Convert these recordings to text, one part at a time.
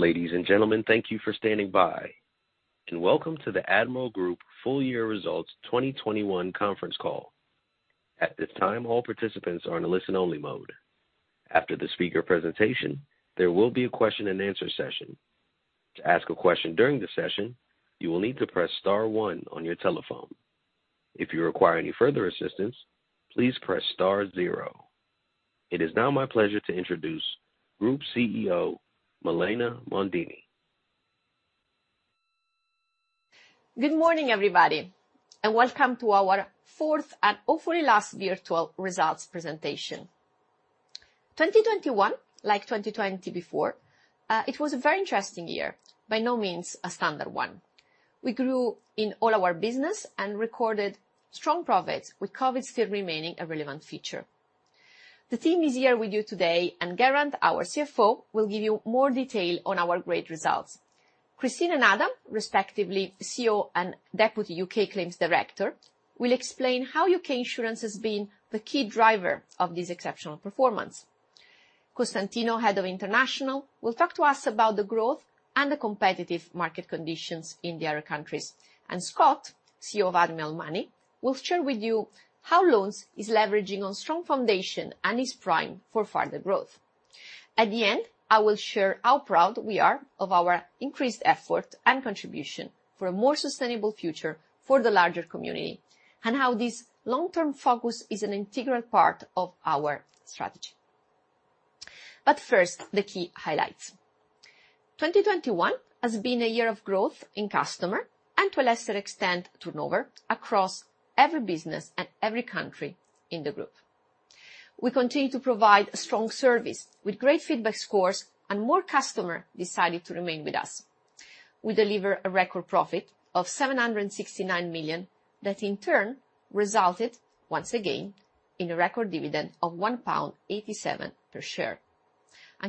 Ladies and gentlemen, thank you for standing by, and welcome to the Admiral Group Full Year Results 2021 conference call. At this time, all participants are in a listen-only mode. After the speaker presentation, there will be a question and answer session. To ask a question during the session, you will need to press star one on your telephone. If you require any further assistance, please press star zero. It is now my pleasure to introduce Group CEO, Milena Mondini de Focatiis. Good morning, everybody, and welcome to our fourth and hopefully last virtual results presentation. 2021, like 2020 before, it was a very interesting year. By no means a standard one. We grew in all our business and recorded strong profits with COVID still remaining a relevant feature. The team is here with you today and Geraint, our CFO, will give you more detail on our great results. Cristina and Adam, respectively CEO and Deputy UK Claims Director, will explain how UK insurance has been the key driver of this exceptional performance. Costantino, Head of International, will talk to us about the growth and the competitive market conditions in the other countries. Scott, CEO of Admiral Money, will share with you how loans is leveraging on strong foundation and is primed for further growth. At the end, I will share how proud we are of our increased effort and contribution for a more sustainable future for the larger community, and how this long-term focus is an integral part of our strategy. First, the key highlights. 2021 has been a year of growth in customer, and to a lesser extent, turnover across every business and every country in the group. We continue to provide strong service with great feedback scores, and more customer decided to remain with us. We deliver a record profit of 769 million that in turn resulted, once again, in a record dividend of 1.87 pound per share.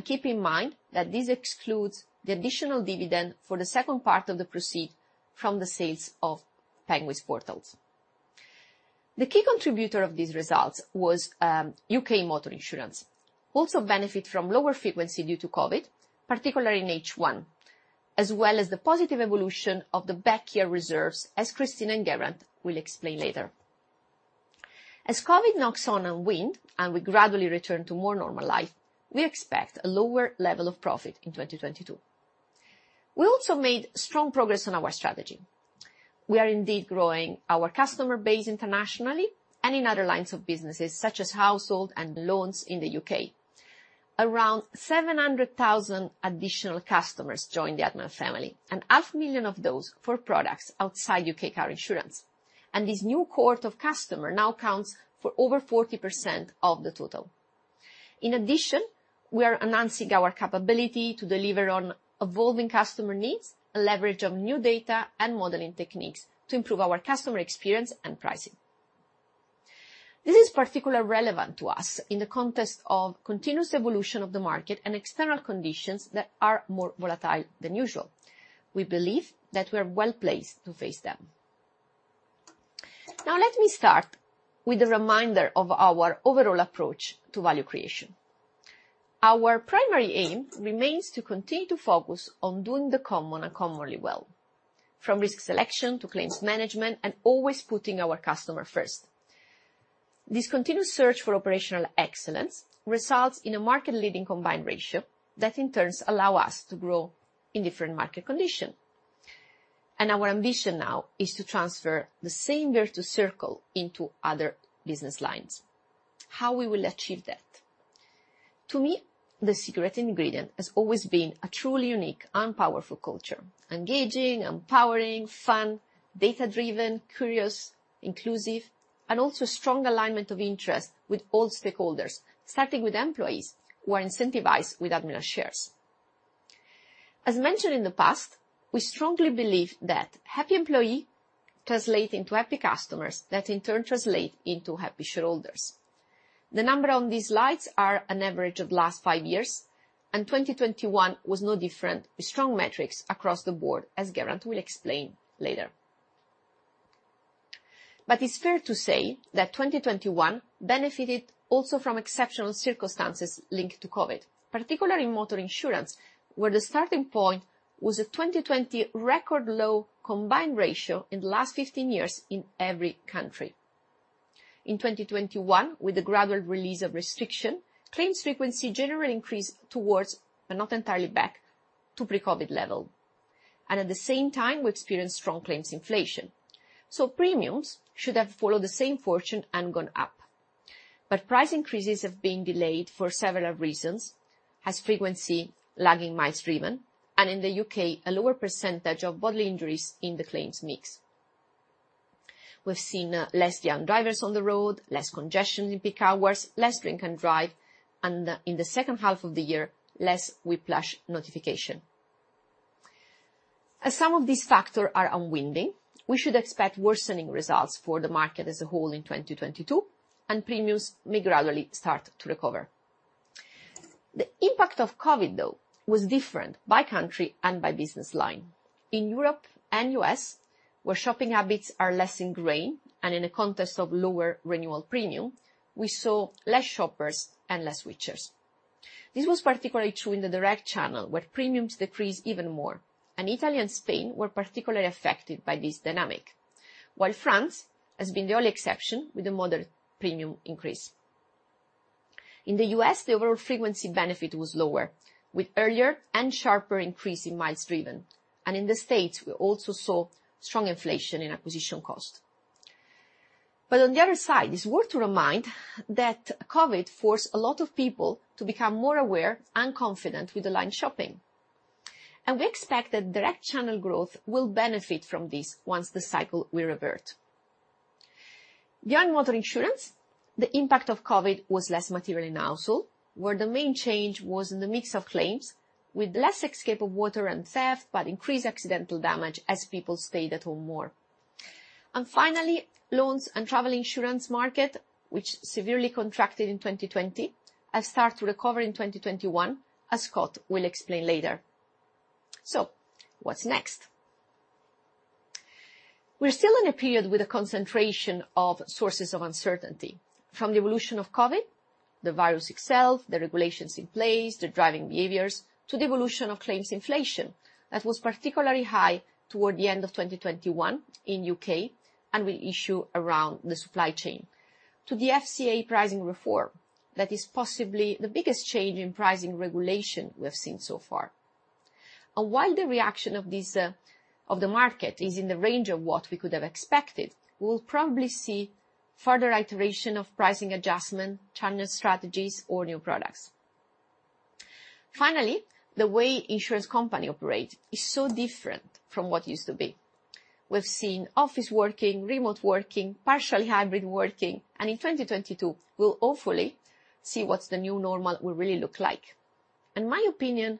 Keep in mind that this excludes the additional dividend for the second part of the proceeds from the sales of Penguin Portals. The key contributor of these results was UK motor insurance. also benefit from lower frequency due to COVID, particularly in H1, as well as the positive evolution of the back-year reserves, as Cristina and Geraint will explain later. As COVID knock-ons unwind, we gradually return to more normal life. We expect a lower level of profit in 2022. We also made strong progress on our strategy. We are indeed growing our customer base internationally and in other lines of businesses, such as household and loans in the U.K. Around 700,000 additional customers joined the Admiral family, and 500,000 of those for products outside U.K. car insurance. This new cohort of customers now accounts for over 40% of the total. In addition, we are enhancing our capability to deliver on evolving customer needs by leveraging new data and modeling techniques to improve our customer experience and pricing. This is particularly relevant to us in the context of continuous evolution of the market and external conditions that are more volatile than usual. We believe that we're well-placed to face them. Now let me start with a reminder of our overall approach to value creation. Our primary aim remains to continue to focus on doing the common uncommonly well, from risk selection to claims management and always putting our customer first. This continuous search for operational excellence results in a market-leading combined ratio that in turn allow us to grow in different market condition. Our ambition now is to transfer the same virtuous circle into other business lines. How we will achieve that? To me, the secret ingredient has always been a truly unique and powerful culture. Engaging, empowering, fun, data-driven, curious, inclusive, and also strong alignment of interest with all stakeholders, starting with employees who are incentivized with Admiral shares. As mentioned in the past, we strongly believe that happy employee translate into happy customers, that in turn translate into happy shareholders. The number on these slides are an average of last five years, and 2021 was no different with strong metrics across the board, as Geraint will explain later. It's fair to say that 2021 benefited also from exceptional circumstances linked to COVID, particularly motor insurance, where the starting point was a 2020 record low combined ratio in the last 15 years in every country. In 2021, with the gradual release of restriction, claims frequency generally increased towards, but not entirely back to pre-COVID level. At the same time, we experienced strong claims inflation. Premiums should have followed the same fortune and gone up. Price increases have been delayed for several reasons. As frequency lagging miles driven, and in the U.K., a lower percentage of bodily injuries in the claims mix. We've seen less young drivers on the road, less congestion in peak hours, less drink and drive, and in the H2 of the year, less whiplash notification. As some of these factors are unwinding, we should expect worsening results for the market as a whole in 2022, and premiums may gradually start to recover. The impact of COVID, though, was different by country and by business line. In Europe and U.S., where shopping habits are less ingrained and in a context of lower renewal premium, we saw less shoppers and less switchers. This was particularly true in the direct channel, where premiums decreased even more, and Italy and Spain were particularly affected by this dynamic. While France has been the only exception with a moderate premium increase. In the U.S., the overall frequency benefit was lower, with earlier and sharper increase in miles driven. In the States, we also saw strong inflation in acquisition cost. On the other side, it's worth to remind that COVID forced a lot of people to become more aware and confident with online shopping. We expect that direct channel growth will benefit from this once the cycle will revert. Beyond motor insurance, the impact of COVID was less material in household, where the main change was in the mix of claims with less escape of water and theft, but increased accidental damage as people stayed at home more. Finally, loans and travel insurance market, which severely contracted in 2020, has started to recover in 2021, as Scott will explain later. What's next? We're still in a period with a concentration of sources of uncertainty. From the evolution of COVID, the virus itself, the regulations in place, the driving behaviors, to the evolution of claims inflation that was particularly high toward the end of 2021 in U.K. and with issue around the supply chain. To the FCA pricing reform that is possibly the biggest change in pricing regulation we have seen so far. While the reaction of this, of the market is in the range of what we could have expected, we'll probably see further iteration of pricing adjustment, channel strategies or new products. Finally, the way insurance company operate is so different from what used to be. We've seen office working, remote working, partially hybrid working, and in 2022 we'll hopefully see what's the new normal will really look like. In my opinion,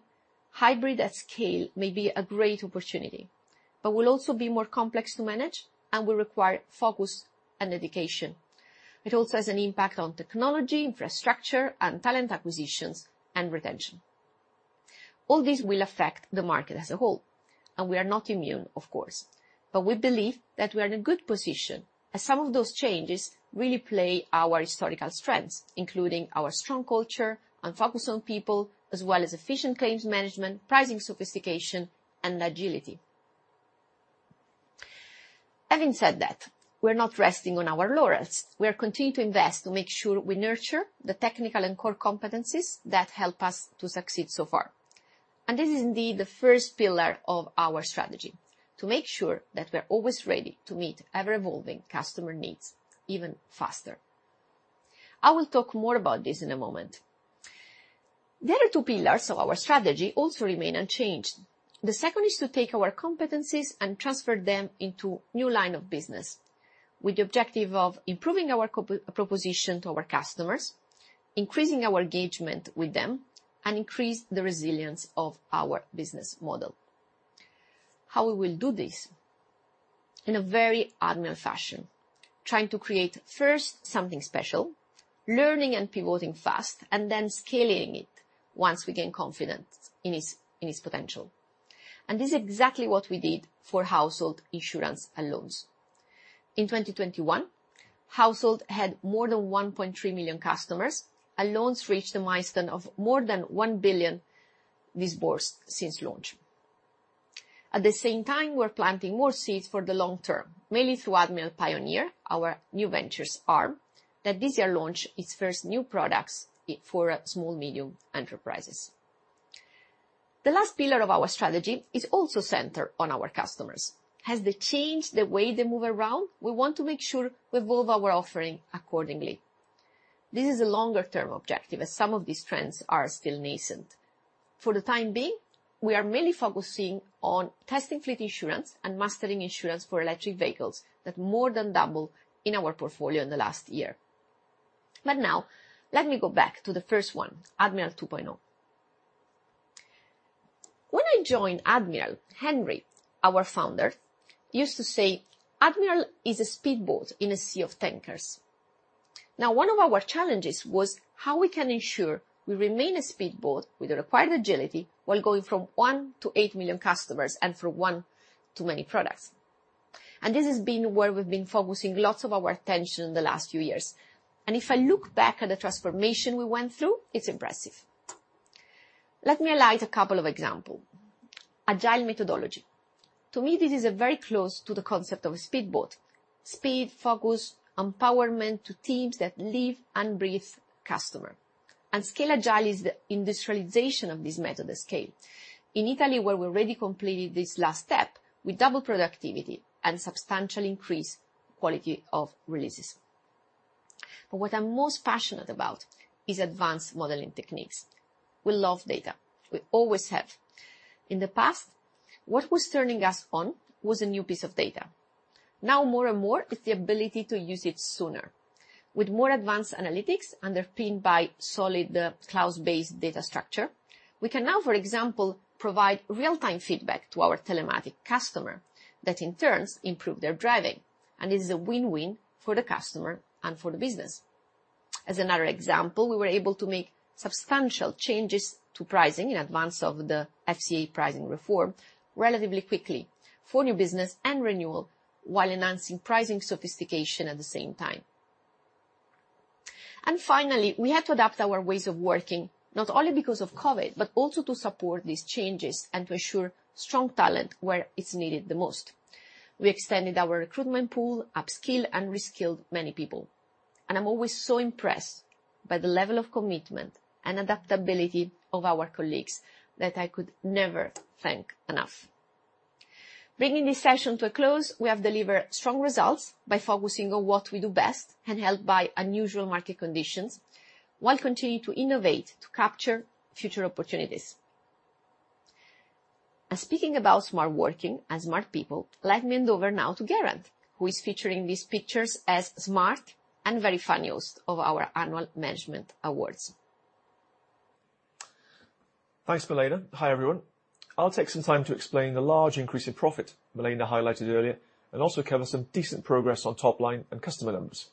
hybrid at scale may be a great opportunity, but will also be more complex to manage and will require focus and dedication. It also has an impact on technology, infrastructure, and talent acquisitions and retention. All this will affect the market as a whole, and we are not immune, of course. We believe that we are in a good position as some of those changes really play our historical strengths, including our strong culture and focus on people, as well as efficient claims management, pricing sophistication and agility. Having said that, we're not resting on our laurels. We are continuing to invest to make sure we nurture the technical and core competencies that help us to succeed so far. This is indeed the first pillar of our strategy, to make sure that we're always ready to meet ever-evolving customer needs even faster. I will talk more about this in a moment. The other two pillars of our strategy also remain unchanged. The second is to take our competencies and transfer them into new line of business with the objective of improving our proposition to our customers, increasing our engagement with them, and increase the resilience of our business model. How we will do this? In a very Admiral fashion. Trying to create first something special, learning and pivoting fast, and then scaling it once we gain confidence in its potential. This is exactly what we did for household insurance and loans. In 2021, household had more than 1.3 million customers, and loans reached a milestone of more than 1 billion dispersed since launch. At the same time, we're planting more seeds for the long term, mainly through Admiral Pioneer, our new ventures arm, that this year launched its first new products for small medium enterprises. The last pillar of our strategy is also centered on our customers. As they change the way they move around, we want to make sure we evolve our offering accordingly. This is a longer term objective as some of these trends are still nascent. For the time being, we are mainly focusing on testing fleet insurance and mastering insurance for electric vehicles that more than doubled in our portfolio in the last year. Now let me go back to the first one, Admiral 2.0. When I joined Admiral, Henry, our founder, used to say, "Admiral is a speedboat in a sea of tankers." Now, one of our challenges was how we can ensure we remain a speedboat with the required agility while going from 1 to 8 million customers and from 1 to many products. This has been where we've been focusing lots of our attention in the last few years. If I look back at the transformation we went through, it's impressive. Let me highlight a couple of examples. Agile methodology. To me, this is a very close to the concept of a speedboat. Speed, focus, empowerment to teams that live and breathe customer. Scaled Agile is the industrialization of this method at scale. In Italy, where we already completed this last step, we doubled productivity and substantially increased quality of releases. What I'm most passionate about is advanced modeling techniques. We love data. We always have. In the past, what was turning us on was a new piece of data. Now more and more it's the ability to use it sooner. With more advanced analytics underpinned by solid cloud-based data structure, we can now, for example, provide real-time feedback to our telematic customer that in turn improve their driving. It is a win-win for the customer and for the business. As another example, we were able to make substantial changes to pricing in advance of the FCA pricing reform relatively quickly for new business and renewal, while enhancing pricing sophistication at the same time. Finally, we had to adapt our ways of working not only because of COVID, but also to support these changes and to ensure strong talent where it's needed the most. We extended our recruitment pool, upskilled and reskilled many people, and I'm always so impressed by the level of commitment and adaptability of our colleagues that I could never thank enough. Bringing this session to a close, we have delivered strong results by focusing on what we do best and helped by unusual market conditions, while continuing to innovate to capture future opportunities. Speaking about smart working and smart people, let me hand over now to Geraint, who is featuring these pictures as smart and very funny of our annual management awards. Thanks, Milena. Hi, everyone. I'll take some time to explain the large increase in profit Milena highlighted earlier and also cover some decent progress on top line and customer numbers.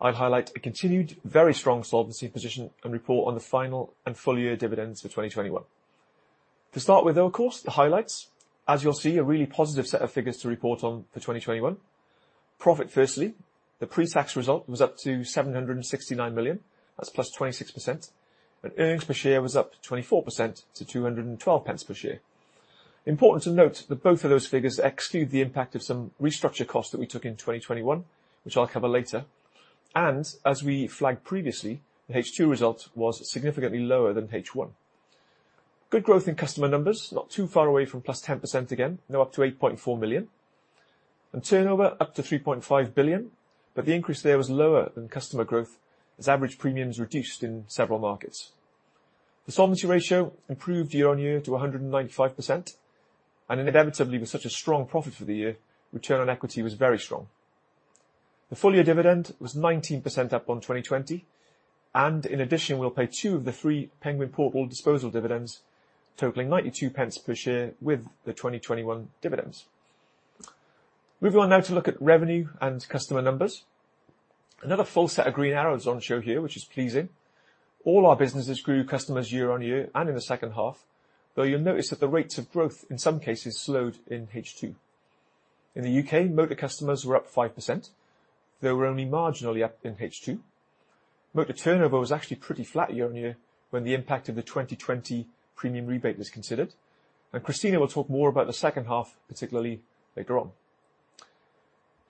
I'd highlight a continued very strong solvency position and report on the final and full year dividends for 2021. To start with, though, of course, the highlights. As you'll see, a really positive set of figures to report on for 2021. Profit firstly, the pre-tax result was up to 769 million. That's +26%. Earnings per share was up 24% to 212 pence per share. Important to note that both of those figures exclude the impact of some restructure costs that we took in 2021, which I'll cover later. As we flagged previously, the H2 result was significantly lower than H1. Good growth in customer numbers, not too far away from +10% again. Now up to 8.4 million. Turnover up to 3.5 billion, but the increase there was lower than customer growth as average premiums reduced in several markets. The solvency ratio improved year-on-year to 195%, and inevitably with such a strong profit for the year, return on equity was very strong. The full year dividend was 19% up on 2020, and in addition, we'll pay two of the three Penguin Portals disposal dividends, totaling 0.92 per share with the 2021 dividends. Moving on now to look at revenue and customer numbers. Another full set of green arrows on show here, which is pleasing. All our businesses grew customers year on year and in the second half, though you'll notice that the rates of growth in some cases slowed in H2. In the UK, motor customers were up 5%, though were only marginally up in H2. Motor turnover was actually pretty flat year-on-year when the impact of the 2020 premium rebate is considered. Cristina will talk more about the second half, particularly later on.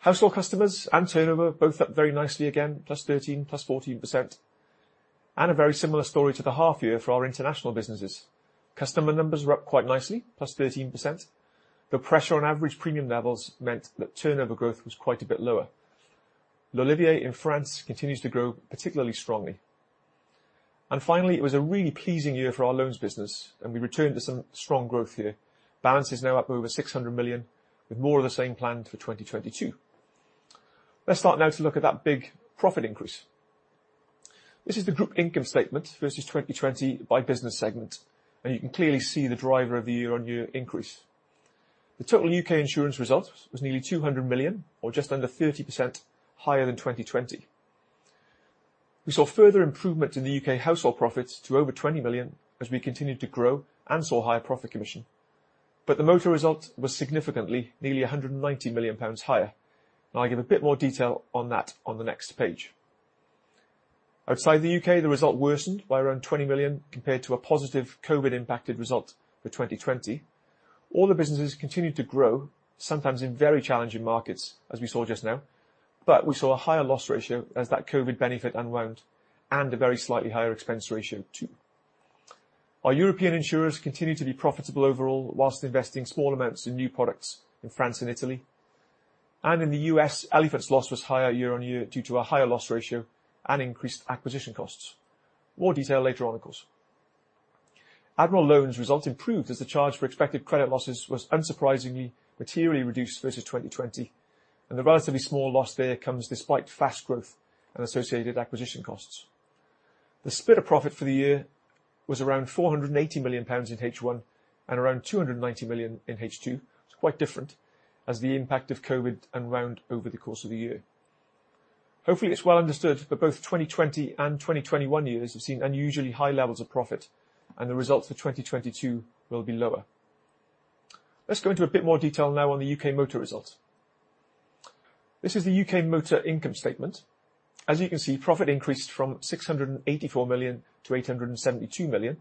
Household customers and turnover both up very nicely again, +13%, +14%, and a very similar story to the half year for our international businesses. Customer numbers were up quite nicely, +13%. The pressure on average premium levels meant that turnover growth was quite a bit lower. L'Olivier in France continues to grow particularly strongly. Finally, it was a really pleasing year for our loans business, and we returned to some strong growth here. Balance is now up over 600 million with more of the same planned for 2022. Let's start now to look at that big profit increase. This is the Group income statement versus 2020 by business segment, and you can clearly see the driver of the year-on-year increase. The total UK Insurance result was nearly 200 million or just under 30% higher than 2020. We saw further improvement in the UK household profits to over 20 million as we continued to grow and saw higher profit commission. The motor result was significantly nearly 190 million pounds higher, and I give a bit more detail on that on the next page. Outside the U.K., the result worsened by around 20 million compared to a positive COVID impacted result for 2020. All the businesses continued to grow, sometimes in very challenging markets, as we saw just now, but we saw a higher loss ratio as that COVID benefit unwound and a very slightly higher expense ratio too. Our European insurers continued to be profitable overall while investing small amounts in new products in France and Italy. In the U.S., Elephant's loss was higher year-over-year due to a higher loss ratio and increased acquisition costs. More detail later on, of course. Admiral Loans result improved as the charge for expected credit losses was unsurprisingly materially reduced versus 2020, and the relatively small loss there comes despite fast growth and associated acquisition costs. The split of profit for the year was around 480 million pounds in H1 and around 290 million in H2. It's quite different as the impact of COVID unwound over the course of the year. Hopefully, it's well understood that both 2020 and 2021 years have seen unusually high levels of profit and the results for 2022 will be lower. Let's go into a bit more detail now on the UK motor results. This is the UK motor income statement. As you can see, profit increased from 684 million to 872 million,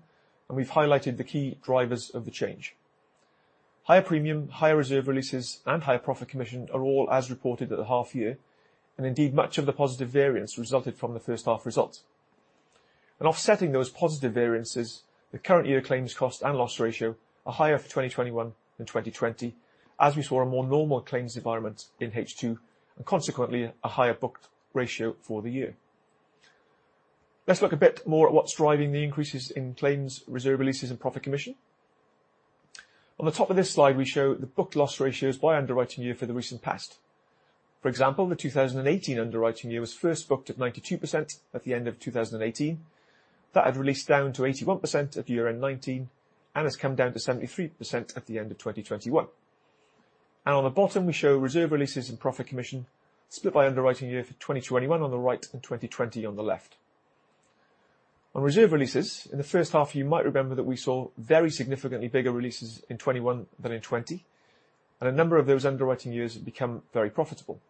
and we've highlighted the key drivers of the change. Higher premium, higher reserve releases, and higher profit commission are all as reported at the half year. Indeed, much of the positive variance resulted from the first half results. Offsetting those positive variances, the current year claims cost and loss ratio are higher for 2021 than 2020, as we saw a more normal claims environment in H2, and consequently a higher booked ratio for the year. Let's look a bit more at what's driving the increases in claims reserve releases and profit commission. On the top of this slide, we show the booked loss ratios by underwriting year for the recent past. For example, the 2018 underwriting year was first booked at 92% at the end of 2018. That had released down to 81% at year-end 2019 and has come down to 73% at the end of 2021. On the bottom, we show reserve releases and profit commission split by underwriting year for 2021 on the right and 2020 on the left. On reserve releases, in the first half, you might remember that we saw very significantly bigger releases in 2021 than in 2020, and a number of those underwriting years have become very profitable.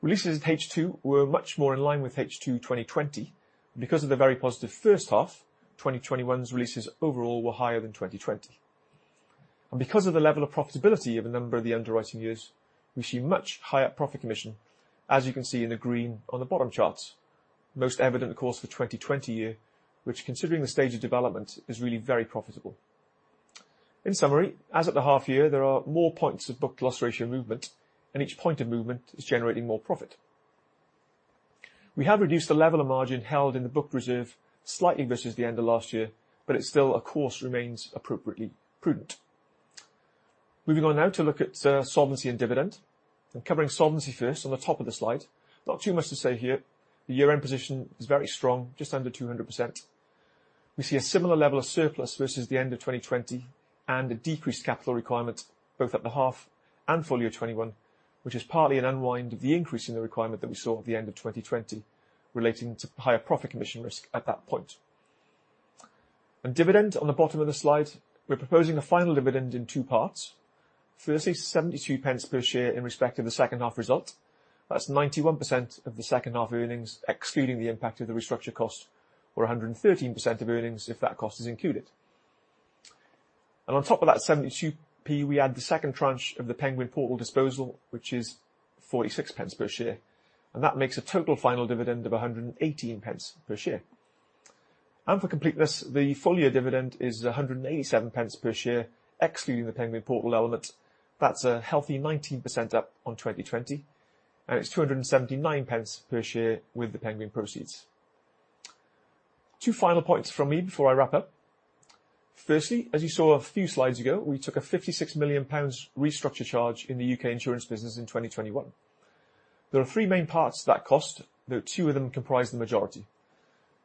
Releases in H2 were much more in line with H2 2020. Because of the very positive first half, 2021's releases overall were higher than 2020. Because of the level of profitability of a number of the underwriting years, we see much higher profit commission, as you can see in the green on the bottom charts. Most evident, of course, for 2020 year, which considering the stage of development, is really very profitable. In summary, as at the half year, there are more points of booked loss ratio movement, and each point of movement is generating more profit. We have reduced the level of margin held in the book reserve slightly versus the end of last year, but it still of course remains appropriately prudent. Moving on now to look at solvency and dividend. Covering solvency first on the top of the slide, not too much to say here. The year-end position is very strong, just under 200%. We see a similar level of surplus versus the end of 2020 and a decreased capital requirement, both at the half and full year 2021, which is partly an unwind of the increase in the requirement that we saw at the end of 2020 relating to higher profit commission risk at that point. On dividend on the bottom of the slide, we're proposing a final dividend in two parts. Firstly, 72 pence per share in respect to the second half result. That's 91% of the second half earnings, excluding the impact of the restructure cost or 113% of earnings if that cost is included. On top of that 72p, we add the second tranche of the Penguin Portals disposal, which is 46 pence per share, and that makes a total final dividend of 118 pence per share. For completeness, the full year dividend is 187 pence per share, excluding the Penguin Portals element. That's a healthy 19% up on 2020, and it's 279 pence per share with the Penguin proceeds. Two final points from me before I wrap up. Firstly, as you saw a few slides ago, we took a 56 million pounds restructure charge in the U.K. insurance business in 2021. There are three main parts to that cost, though two of them comprise the majority.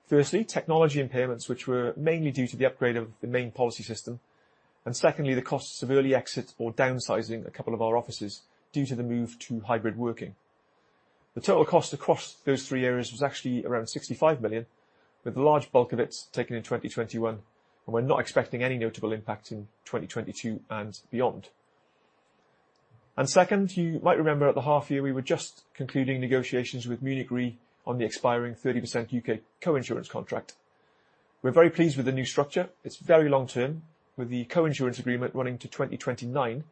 Firstly, technology impairments, which were mainly due to the upgrade of the main policy system. Secondly, the costs of early exit or downsizing a couple of our offices due to the move to hybrid working. The total cost across those three areas was actually around 65 million, with the large bulk of it taken in 2021, and we're not expecting any notable impact in 2022 and beyond. Second, you might remember at the half year, we were just concluding negotiations with Munich Re on the expiring 30% UK co-insurance contract. We're very pleased with the new structure. It's very long-term, with the co-insurance agreement running to 2029,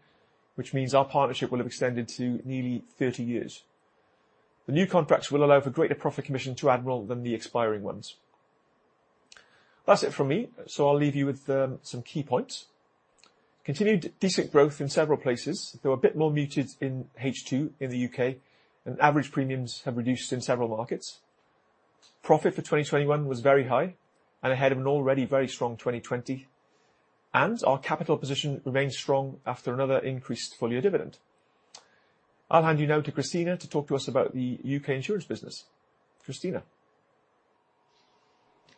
which means our partnership will have extended to nearly 30 years. The new contracts will allow for greater profit commission to Admiral than the expiring ones. That's it from me. I'll leave you with some key points. Continued decent growth in several places. Though a bit more muted in H2 in the U.K., and average premiums have reduced in several markets. Profit for 2021 was very high and ahead of an already very strong 2020. Our capital position remains strong after another increased full year dividend. I'll hand you now to Cristina to talk to us about the UK insurance business. Cristina.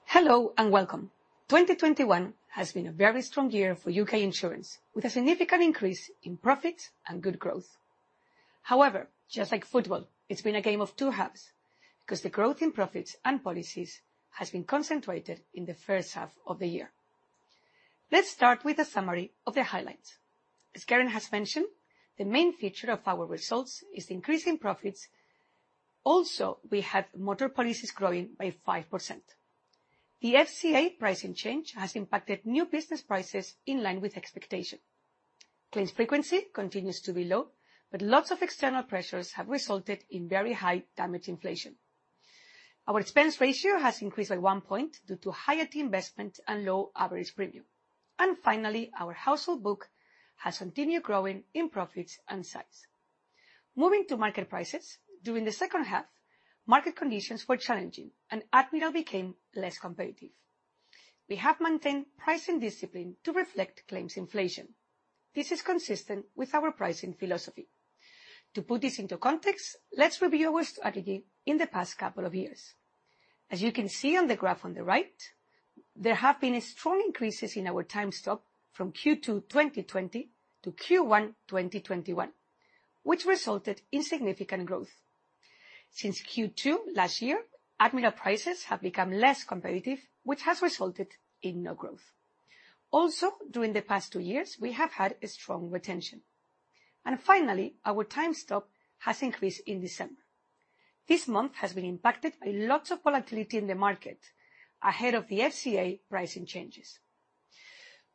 Hello and welcome. 2021 has been a very strong year for U.K. insurance, with a significant increase in profits and good growth. However, just like football, it's been a game of two halves because the growth in profits and policies has been concentrated in the first half of the year. Let's start with a summary of the highlights. As Geraint has mentioned, the main feature of our results is increasing profits. Also, we have motor policies growing by 5%. The FCA pricing change has impacted new business prices in line with expectation. Claims frequency continues to be low, but lots of external pressures have resulted in very high damage inflation. Our expense ratio has increased by 1 point due to higher investment and low average premium. Finally, our household book has continued growing in profits and size. Moving to market prices. During the H1, market conditions were challenging and Admiral became less competitive. We have maintained pricing discipline to reflect claims inflation. This is consistent with our pricing philosophy. To put this into context, let's review our strategy in the past couple of years. As you can see on the graph on the right, there have been strong increases in our Times Top from Q2 2020 to Q1 2021, which resulted in significant growth. Since Q2 last year, Admiral prices have become less competitive, which has resulted in no growth. Also, during the past two years, we have had a strong retention. Finally, our Times Top has increased in December. This month has been impacted by lots of volatility in the market ahead of the FCA pricing changes.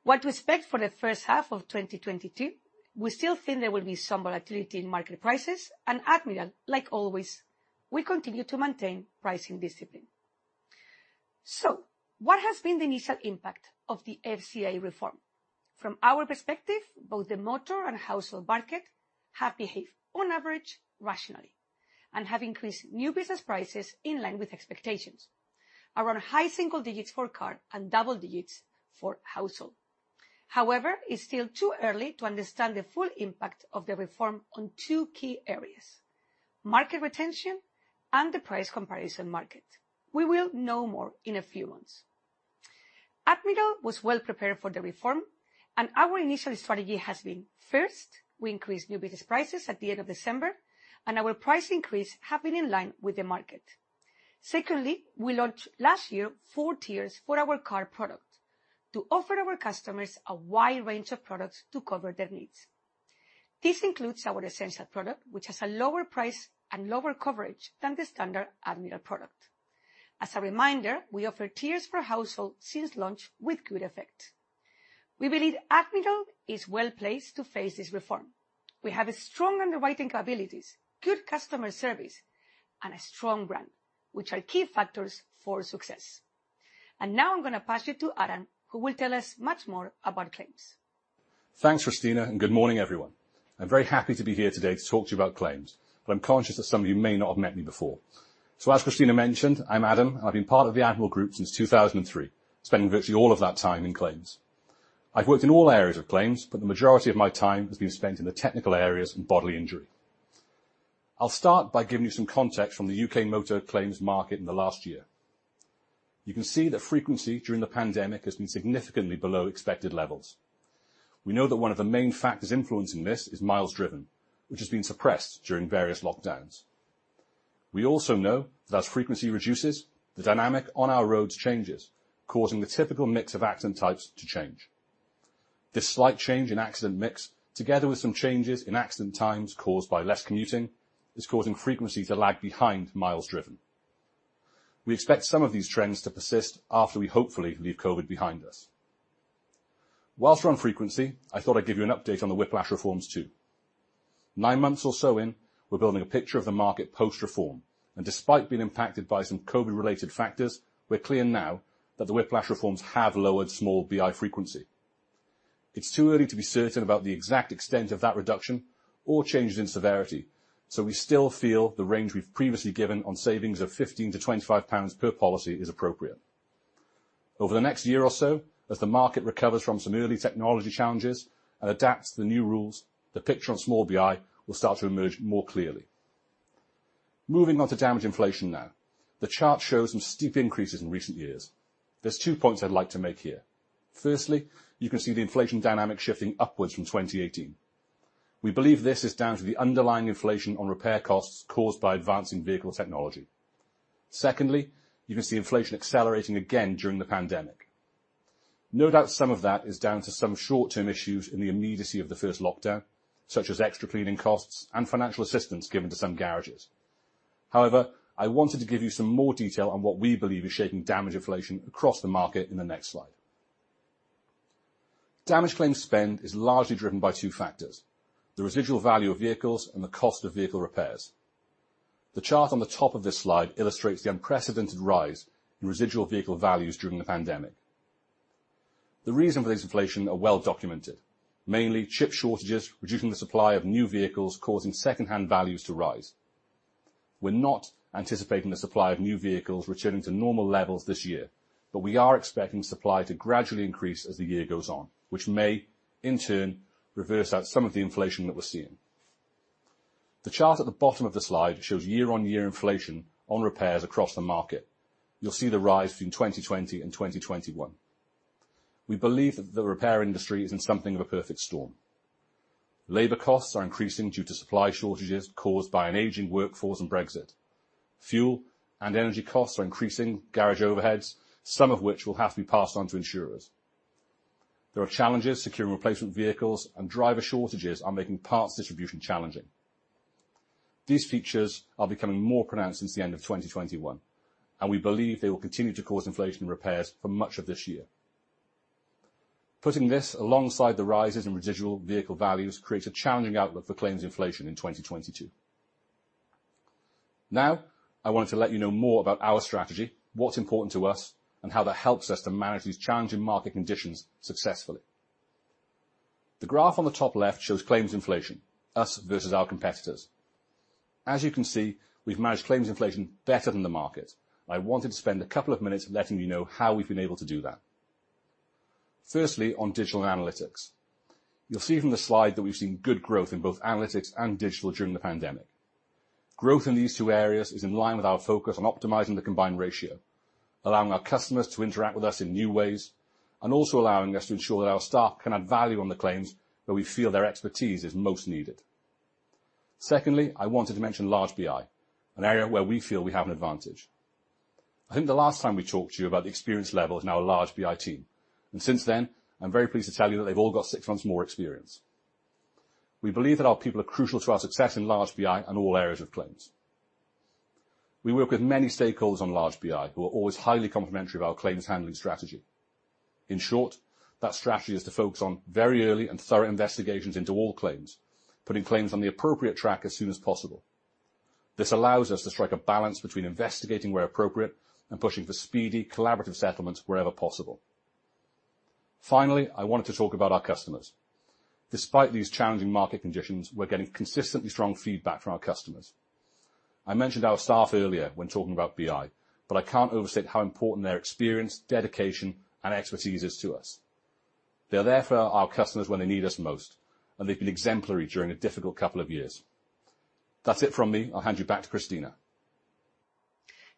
What to expect for the first half of 2022? We still think there will be some volatility in market prices. Admiral, like always, we continue to maintain pricing discipline. What has been the initial impact of the FCA reform? From our perspective, both the motor and household market have behaved on average rationally and have increased new business prices in line with expectations, around high single digits for car and double digits for household. However, it's still too early to understand the full impact of the reform on two key areas, market retention and the price comparison market. We will know more in a few months. Admiral was well prepared for the reform, and our initial strategy has been first, we increased new business prices at the end of December, and our price increase have been in line with the market. Secondly, we launched last year four tiers for our car product to offer our customers a wide range of products to cover their needs. This includes our Essentials product, which has a lower price and lower coverage than the standard Admiral product. As a reminder, we offer tiers for household since launch with good effect. We believe Admiral is well-placed to face this reform. We have a strong underwriting capabilities, good customer service, and a strong brand, which are key factors for success. Now I'm gonna pass you to Adam, who will tell us much more about claims. Thanks, Cristina, and good morning everyone. I'm very happy to be here today to talk to you about claims, but I'm conscious that some of you may not have met me before. As Cristina mentioned, I'm Adam, and I've been part of the Admiral Group since 2003, spending virtually all of that time in claims. I've worked in all areas of claims, but the majority of my time has been spent in the technical areas and bodily injury. I'll start by giving you some context from the U.K. motor claims market in the last year. You can see that frequency during the pandemic has been significantly below expected levels. We know that one of the main factors influencing this is miles driven, which has been suppressed during various lockdowns. We also know that frequency reduces the dynamic on our roads changes, causing the typical mix of accident types to change. This slight change in accident mix, together with some changes in accident times caused by less commuting, is causing frequency to lag behind miles driven. We expect some of these trends to persist after we hopefully leave COVID behind us. While we're on frequency, I thought I'd give you an update on the whiplash reforms too. Nine months or so in, we're building a picture of the market post-reform. Despite being impacted by some COVID-related factors, we're clear now that the whiplash reforms have lowered small BI frequency. It's too early to be certain about the exact extent of that reduction or changes in severity, so we still feel the range we've previously given on savings of 15-25 pounds per policy is appropriate. Over the next year or so, as the market recovers from some early technology challenges and adapts to the new rules, the picture on small BI will start to emerge more clearly. Moving on to damage inflation now. The chart shows some steep increases in recent years. There are two points I'd like to make here. First, you can see the inflation dynamic shifting upwards from 2018. We believe this is down to the underlying inflation on repair costs caused by advancing vehicle technology. Second, you can see inflation accelerating again during the pandemic. No doubt some of that is down to some short-term issues in the immediacy of the first lockdown, such as extra cleaning costs and financial assistance given to some garages. However, I wanted to give you some more detail on what we believe is shaping damage inflation across the market in the next slide. Damage claim spend is largely driven by two factors, the residual value of vehicles and the cost of vehicle repairs. The chart on the top of this slide illustrates the unprecedented rise in residual vehicle values during the pandemic. The reason for this inflation are well documented, mainly chip shortages, reducing the supply of new vehicles, causing secondhand values to rise. We're not anticipating the supply of new vehicles returning to normal levels this year, but we are expecting supply to gradually increase as the year goes on, which may, in turn, reverse out some of the inflation that we're seeing. The chart at the bottom of the slide shows year-on-year inflation on repairs across the market. You'll see the rise between 2020 and 2021. We believe that the repair industry is in something of a perfect storm. Labor costs are increasing due to supply shortages caused by an aging workforce and Brexit. Fuel and energy costs are increasing garage overheads, some of which will have to be passed on to insurers. There are challenges securing replacement vehicles and driver shortages are making parts distribution challenging. These features are becoming more pronounced since the end of 2021, and we believe they will continue to cause inflation repairs for much of this year. Putting this alongside the rises in residual vehicle values creates a challenging outlook for claims inflation in 2022. Now, I wanted to let you know more about our strategy, what's important to us, and how that helps us to manage these challenging market conditions successfully. The graph on the top left shows claims inflation, us versus our competitors. As you can see, we've managed claims inflation better than the market. I wanted to spend a couple of minutes letting you know how we've been able to do that. Firstly, on digital and analytics. You'll see from the slide that we've seen good growth in both analytics and digital during the pandemic. Growth in these two areas is in line with our focus on optimizing the combined ratio, allowing our customers to interact with us in new ways, and also allowing us to ensure that our staff can add value on the claims where we feel their expertise is most needed. Secondly, I wanted to mention large BI, an area where we feel we have an advantage. I think the last time we talked to you about the experience level of our large BI team. Since then, I'm very pleased to tell you that they've all got six months more experience. We believe that our people are crucial to our success in large BI and all areas of claims. We work with many stakeholders on large BI who are always highly complimentary of our claims handling strategy. In short, that strategy is to focus on very early and thorough investigations into all claims, putting claims on the appropriate track as soon as possible. This allows us to strike a balance between investigating where appropriate and pushing for speedy collaborative settlements wherever possible. Finally, I wanted to talk about our customers. Despite these challenging market conditions, we're getting consistently strong feedback from our customers. I mentioned our staff earlier when talking about BI, but I can't overstate how important their experience, dedication, and expertise is to us. They're there for our customers when they need us most, and they've been exemplary during a difficult couple of years. That's it from me. I'll hand you back to Cristina.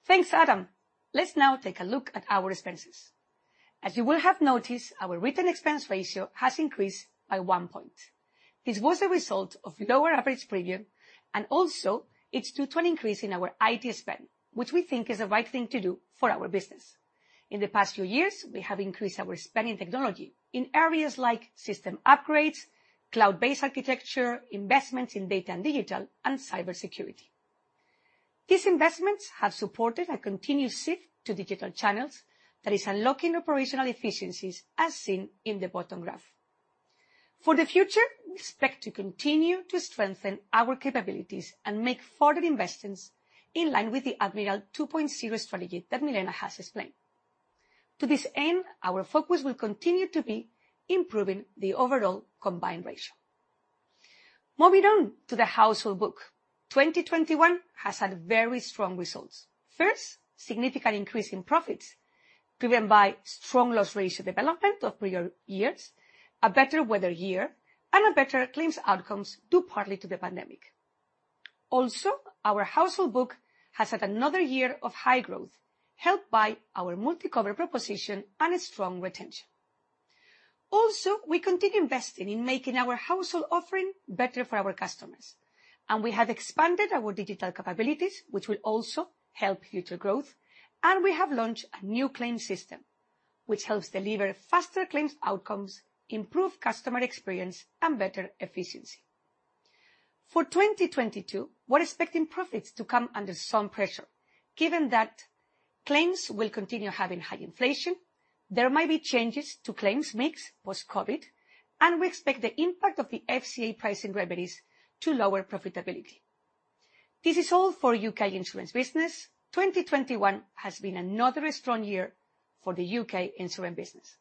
Thanks, Adam. Let's now take a look at our expenses. As you will have noticed, our written expense ratio has increased by 1 point. This was a result of lower average premium, and also it's due to an increase in our IT spend, which we think is the right thing to do for our business. In the past few years, we have increased our spend in technology in areas like system upgrades, cloud-based architecture, investments in data and digital, and cybersecurity. These investments have supported a continued shift to digital channels that is unlocking operational efficiencies as seen in the bottom graph. For the future, we expect to continue to strengthen our capabilities and make further investments in line with the Admiral 2.0 strategy that Milena has explained. To this end, our focus will continue to be improving the overall combined ratio. Moving on to the household book. 2021 has had very strong results. First, significant increase in profits driven by strong loss ratio development of prior years, a better weather year, and a better claims outcomes due partly to the pandemic. Also, our household book has had another year of high growth, helped by our MultiCover proposition and strong retention. Also, we continue investing in making our household offering better for our customers, and we have expanded our digital capabilities, which will also help future growth. We have launched a new claim system, which helps deliver faster claims outcomes, improve customer experience, and better efficiency. For 2022, we're expecting profits to come under some pressure, given that claims will continue having high inflation, there might be changes to claims mix post-COVID, and we expect the impact of the FCA pricing remedies to lower profitability. This is all for UK Insurance business. 2021 has been another strong year for the UK Insurance business.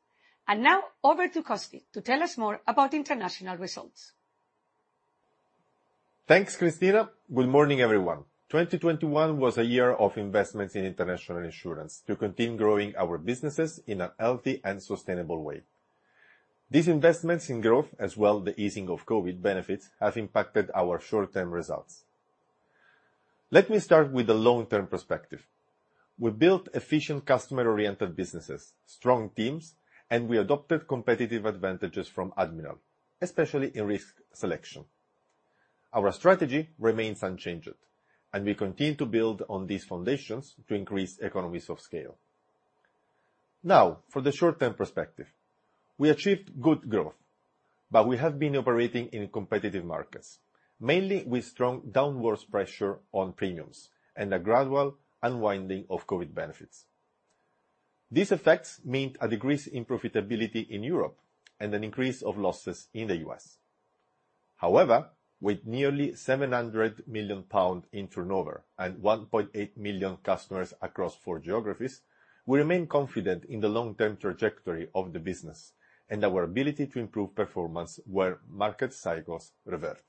Now over to Costi to tell us more about international results. Thanks, Cristina. Good morning, everyone. 2021 was a year of investments in International Insurance to continue growing our businesses in a healthy and sustainable way. These investments in growth, as well as the easing of COVID benefits, have impacted our short-term results. Let me start with the long-term perspective. We built efficient customer-oriented businesses, strong teams, and we adopted competitive advantages from Admiral, especially in risk selection. Our strategy remains unchanged, and we continue to build on these foundations to increase economies of scale. Now, for the short-term perspective, we achieved good growth, but we have been operating in competitive markets, mainly with strong downward pressure on premiums and a gradual unwinding of COVID benefits. These effects meant a decrease in profitability in Europe and an increase of losses in the U.S. However, with nearly 700 million pounds in turnover and 1.8 million customers across four geographies, we remain confident in the long-term trajectory of the business and our ability to improve performance where market cycles revert.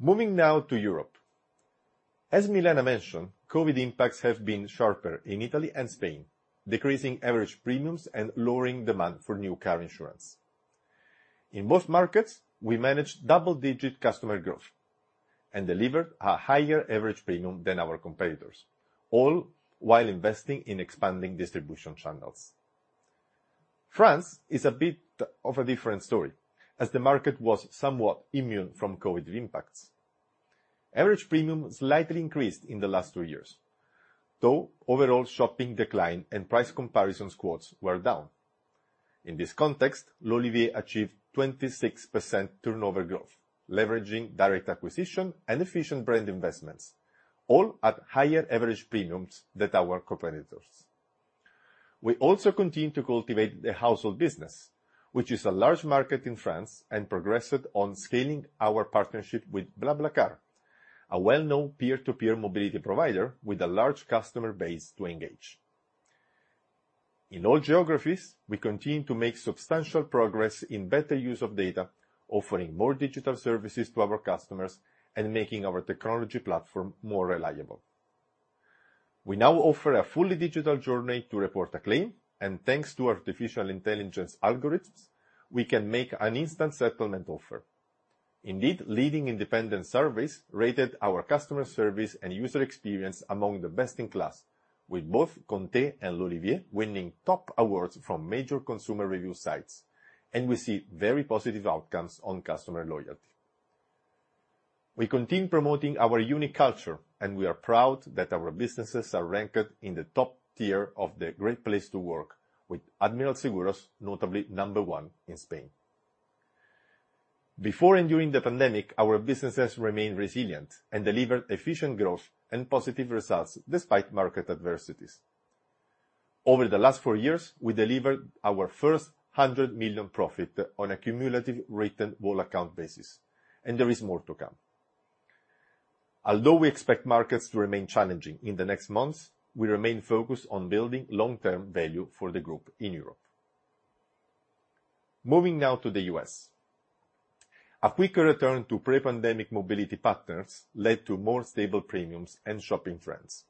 Moving now to Europe. As Milena mentioned, COVID impacts have been sharper in Italy and Spain, decreasing average premiums and lowering demand for new car insurance. In both markets, we managed double-digit customer growth and delivered a higher average premium than our competitors, all while investing in expanding distribution channels. France is a bit of a different story as the market was somewhat immune from COVID impacts. Average premium slightly increased in the last two years, though overall shopping decline and price comparison quotes were down. In this context, L'Olivier achieved 26% turnover growth, leveraging direct acquisition and efficient brand investments, all at higher average premiums than our competitors. We also continue to cultivate the household business, which is a large market in France, and progressed on scaling our partnership with BlaBlaCar, a well-known peer-to-peer mobility provider with a large customer base to engage. In all geographies, we continue to make substantial progress in better use of data, offering more digital services to our customers and making our technology platform more reliable. We now offer a fully digital journey to report a claim, and thanks to artificial intelligence algorithms, we can make an instant settlement offer. Indeed, leading independent surveys rated our customer service and user experience among the best in class with both ConTe.it and L'Olivier winning top awards from major consumer review sites, and we see very positive outcomes on customer loyalty. We continue promoting our unique culture, and we are proud that our businesses are ranked in the top tier of the Great Place To Work with Admiral Seguros, notably number one in Spain. Before and during the pandemic, our businesses remained resilient and delivered efficient growth and positive results despite market adversities. Over the last four years, we delivered our first 100 million profit on a cumulative written whole account basis, and there is more to come. Although we expect markets to remain challenging in the next months, we remain focused on building long-term value for the group in Europe. Moving now to the U.S. A quicker return to pre-pandemic mobility patterns led to more stable premiums and shopping trends.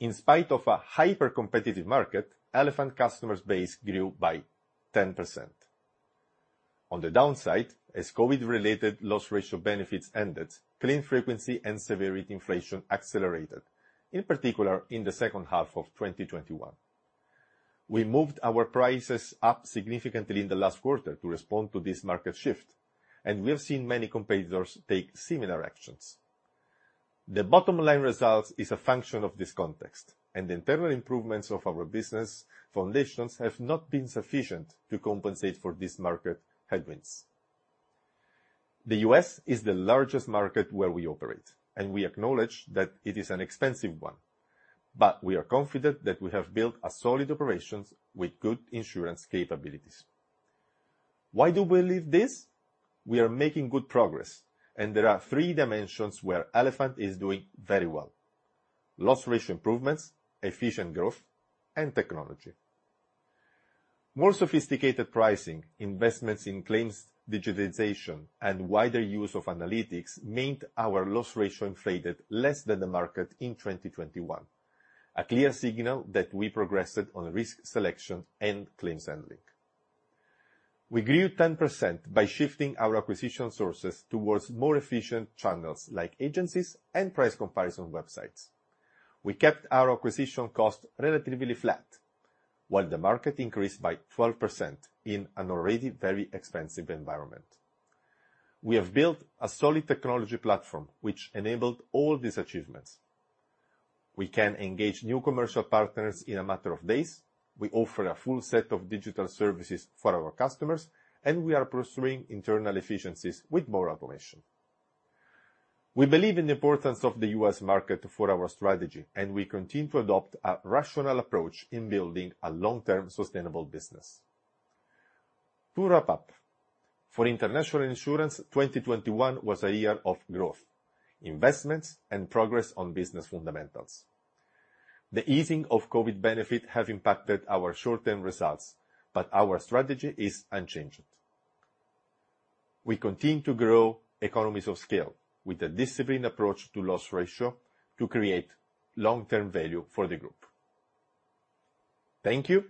In spite of a hyper-competitive market, Elephant customer base grew by 10%. On the downside, as COVID related loss ratio benefits ended, claim frequency and severity inflation accelerated, in particular, in the second half of 2021. We moved our prices up significantly in the last quarter to respond to this market shift, and we have seen many competitors take similar actions. The bottom line results is a function of this context, and internal improvements of our business foundations have not been sufficient to compensate for this market headwinds. The U.S. is the largest market where we operate, and we acknowledge that it is an expensive one, but we are confident that we have built a solid operations with good insurance capabilities. Why do we believe this? We are making good progress, and there are three dimensions where Elephant is doing very well. Loss ratio improvements, efficient growth, and technology. More sophisticated pricing, investments in claims digitization and wider use of analytics meant our loss ratio inflated less than the market in 2021, a clear signal that we progressed on risk selection and claims handling. We grew 10% by shifting our acquisition sources towards more efficient channels like agencies and price comparison websites. We kept our acquisition cost relatively flat while the market increased by 12% in an already very expensive environment. We have built a solid technology platform which enabled all these achievements. We can engage new commercial partners in a matter of days. We offer a full set of digital services for our customers, and we are pursuing internal efficiencies with more automation. We believe in the importance of the U.S. market for our strategy, and we continue to adopt a rational approach in building a long-term sustainable business. To wrap up, for International Insurance, 2021 was a year of growth, investments, and progress on business fundamentals. The easing of COVID benefits have impacted our short-term results, but our strategy is unchanged. We continue to grow economies of scale with a disciplined approach to loss ratio to create long-term value for the group. Thank you,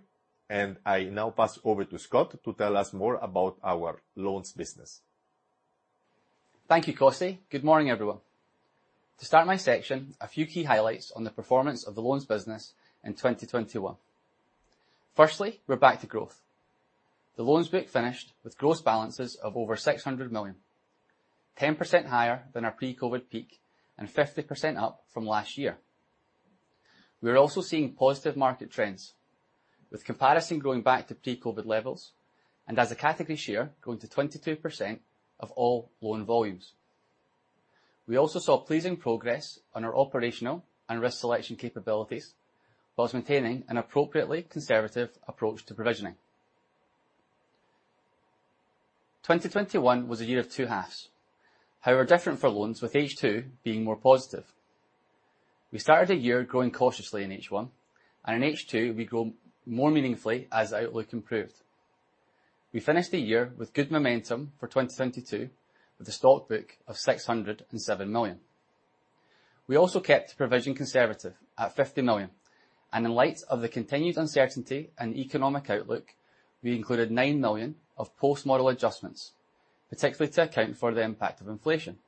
and I now pass over to Scott to tell us more about our loans business. Thank you, Costi. Good morning, everyone. To start my section, a few key highlights on the performance of the loans business in 2021. First, we're back to growth. The loans book finished with gross balances of over 600 million, 10% higher than our pre-COVID peak and 50% up from last year. We are also seeing positive market trends, with comparison growing back to pre-COVID levels and as a category share growing to 22% of all loan volumes. We also saw pleasing progress on our operational and risk selection capabilities while maintaining an appropriately conservative approach to provisioning. 2021 was a year of two halves. However, different for loans, with H2 being more positive. We started a year growing cautiously in H1, and in H2 we grow more meaningfully as outlook improved. We finished the year with good momentum for 2022 with a stock book of 607 million. We also kept provision conservative at 50 million, and in light of the continued uncertainty and economic outlook, we included 9 million of post-model adjustments, particularly to account for the impact of inflation.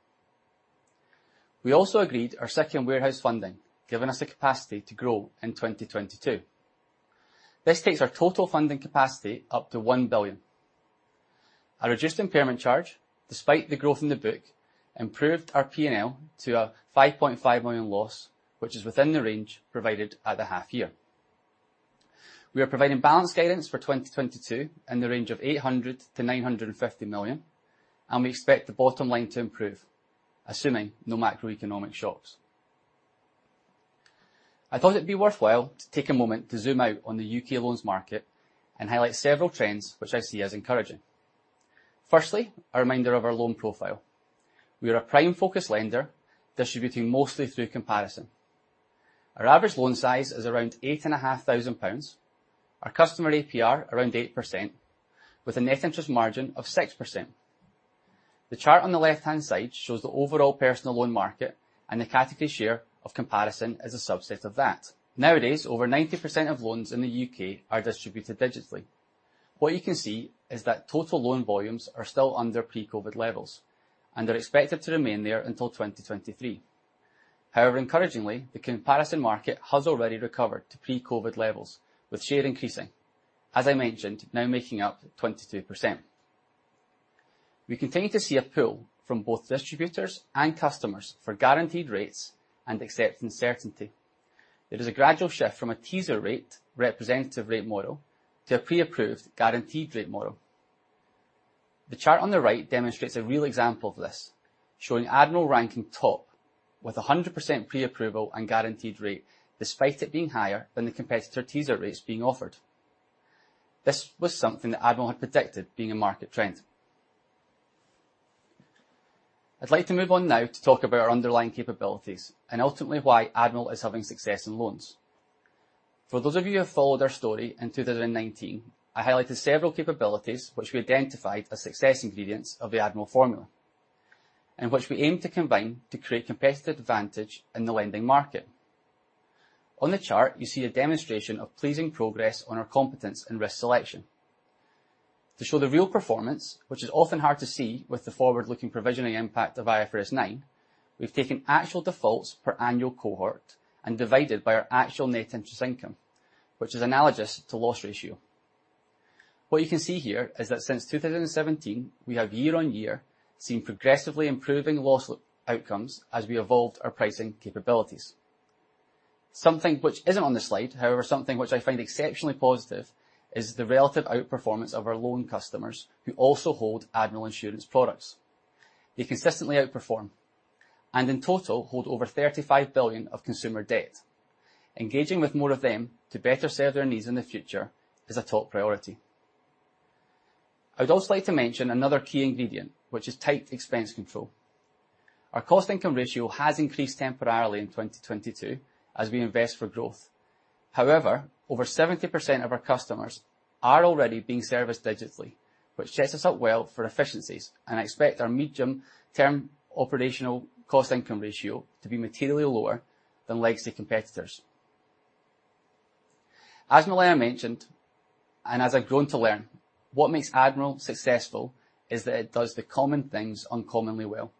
We also agreed our second warehouse funding, giving us the capacity to grow in 2022. This takes our total funding capacity up to 1 billion. A reduced impairment charge, despite the growth in the book, improved our P&L to a 5.5 million loss, which is within the range provided at the half year. We are providing balance guidance for 2022 in the range of 800 million-950 million, and we expect the bottom line to improve, assuming no macroeconomic shocks. I thought it'd be worthwhile to take a moment to zoom out on the UK loans market and highlight several trends which I see as encouraging. First, a reminder of our loan profile. We are a prime focus lender distributing mostly through comparison. Our average loan size is around 8,500 pounds, our customer APR around 8% with a net interest margin of 6%. The chart on the left-hand side shows the overall personal loan market and the category share of comparison as a subset of that. Nowadays, over 90% of loans in the UK are distributed digitally. What you can see is that total loan volumes are still under pre-COVID levels and are expected to remain there until 2023. However, encouragingly, the comparison market has already recovered to pre-COVID levels, with share increasing, as I mentioned, now making up 22%. We continue to see a pull from both distributors and customers for guaranteed rates and acceptance certainty. There is a gradual shift from a teaser rate representative rate model to a pre-approved guaranteed rate model. The chart on the right demonstrates a real example of this, showing Admiral ranking top with 100% pre-approval and guaranteed rate, despite it being higher than the competitor teaser rates being offered. This was something that Admiral had predicted being a market trend. I'd like to move on now to talk about our underlying capabilities and ultimately why Admiral is having success in loans. For those of you who have followed our story in 2019, I highlighted several capabilities which we identified as success ingredients of the Admiral formula, which we aim to combine to create competitive advantage in the lending market. On the chart, you see a demonstration of pleasing progress on our competence in risk selection. To show the real performance, which is often hard to see with the forward-looking provisioning impact of IFRS 9, we've taken actual defaults per annual cohort and divided by our actual net interest income, which is analogous to loss ratio. What you can see here is that since 2017, we have year-on-year seen progressively improving loss outcomes as we evolved our pricing capabilities. Something which isn't on the slide, however, something which I find exceptionally positive is the relative outperformance of our loan customers who also hold Admiral insurance products. They consistently outperform and in total hold over 35 billion of consumer debt. Engaging with more of them to better serve their needs in the future is a top priority. I'd also like to mention another key ingredient, which is tight expense control. Our cost-income ratio has increased temporarily in 2022 as we invest for growth. However, over 70% of our customers are already being serviced digitally, which sets us up well for efficiencies, and I expect our medium-term operational cost-income ratio to be materially lower than legacy competitors. As Milena mentioned, and as I've grown to learn, what makes Admiral successful is that it does the common things uncommonly well,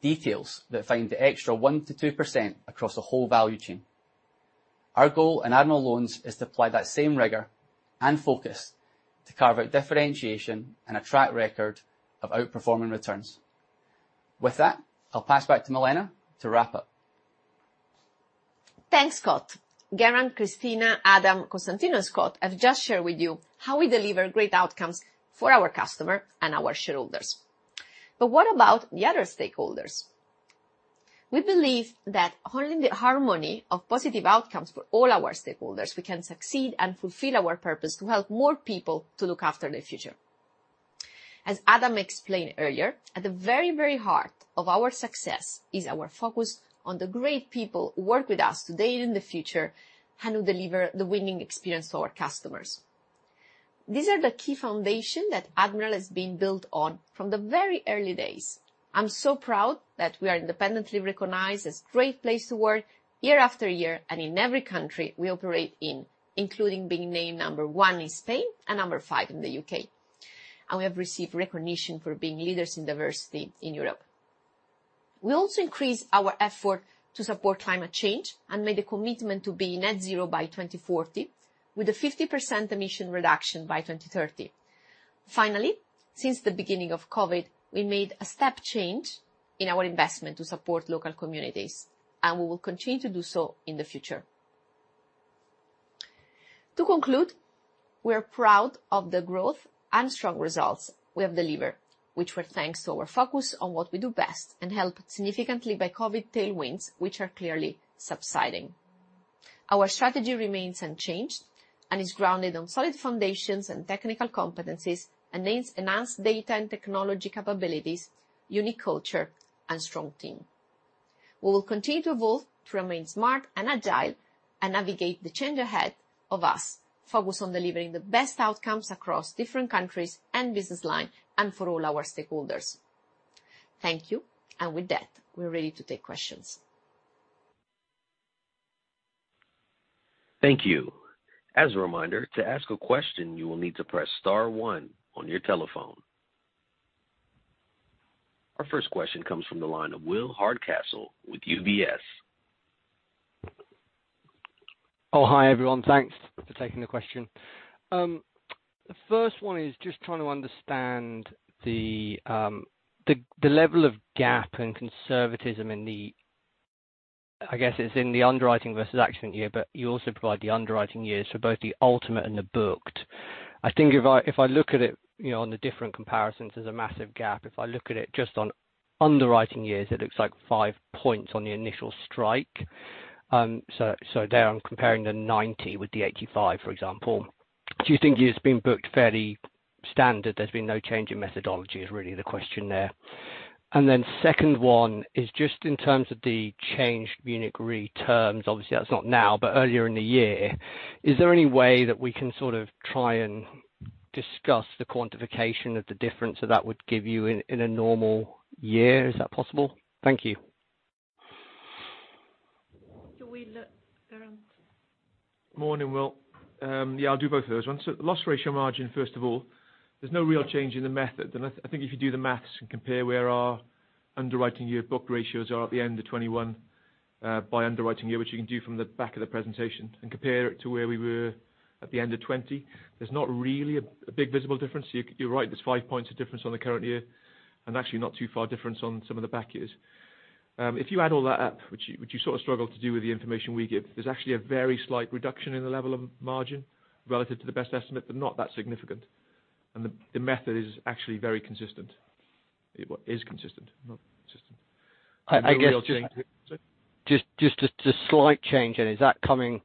details that find the extra 1%-2% across the whole value chain. Our goal in Admiral Loans is to apply that same rigor and focus to carve out differentiation and a track record of outperforming returns. With that, I'll pass back to Milena to wrap up. Thanks, Scott. Geraint, Cristina, Adam, Costantino, Scott have just shared with you how we deliver great outcomes for our customer and our shareholders. What about the other stakeholders? We believe that only in the harmony of positive outcomes for all our stakeholders we can succeed and fulfill our purpose to help more people to look after their future. As Adam explained earlier, at the very, very heart of our success is our focus on the great people who work with us today and in the future, and who deliver the winning experience to our customers. These are the key foundation that Admiral has been built on from the very early days. I'm so proud that we are independently recognized as Great Place to Work year after year and in every country we operate in, including being named number one in Spain and number five in the U.K. We have received recognition for being leaders in diversity in Europe. We also increase our effort to support climate change and made a commitment to be net zero by 2040, with a 50% emission reduction by 2030. Finally, since the beginning of COVID, we made a step change in our investment to support local communities, and we will continue to do so in the future. To conclude, we are proud of the growth and strong results we have delivered, which were thanks to our focus on what we do best and helped significantly by COVID tailwinds, which are clearly subsiding. Our strategy remains unchanged and is grounded on solid foundations and technical competencies and enhanced data and technology capabilities, unique culture and strong team. We will continue to evolve to remain smart and agile and navigate the change ahead of us, focused on delivering the best outcomes across different countries and business line and for all our stakeholders. Thank you. With that, we're ready to take questions. Thank you. As a reminder, to ask a question, you will need to press star one on your telephone. Our first question comes from the line of Will Hardcastle with UBS. Oh, hi, everyone. Thanks for taking the question. The first one is just trying to understand the level of gap and conservatism in the underwriting versus accident year, but you also provide the underwriting years for both the ultimate and the booked. I think if I look at it, you know, on the different comparisons, there's a massive gap. If I look at it just on underwriting years, it looks like 5 points on the initial strike. So there I'm comparing the 90 with the 85, for example. Do you think it's been booked fairly standard? There's been no change in methodology is really the question there. Second one is just in terms of the changed Munich Re terms. Obviously, that's not now, but earlier in the year. Is there any way that we can sort of try and discuss the quantification of the difference that that would give you in a normal year? Is that possible? Thank you. Can we look, Geraint? Morning, Will. Yeah, I'll do both of those ones. Loss ratio margin, first of all, there's no real change in the method. I think if you do the math and compare where our underwriting year booked loss ratios are at the end of 2021, by underwriting year, which you can do from the back of the presentation, and compare it to where we were at the end of 2020, there's not really a big visible difference. You're right, there's 5% difference on the current year and actually not too far difference on some of the back years. If you add all that up, which you sort of struggle to do with the information we give, there's actually a very slight reduction in the level of margin relative to the best estimate, but not that significant. The method is actually very consistent, not system. I guess just. Sorry. Just a slight change. Is that coming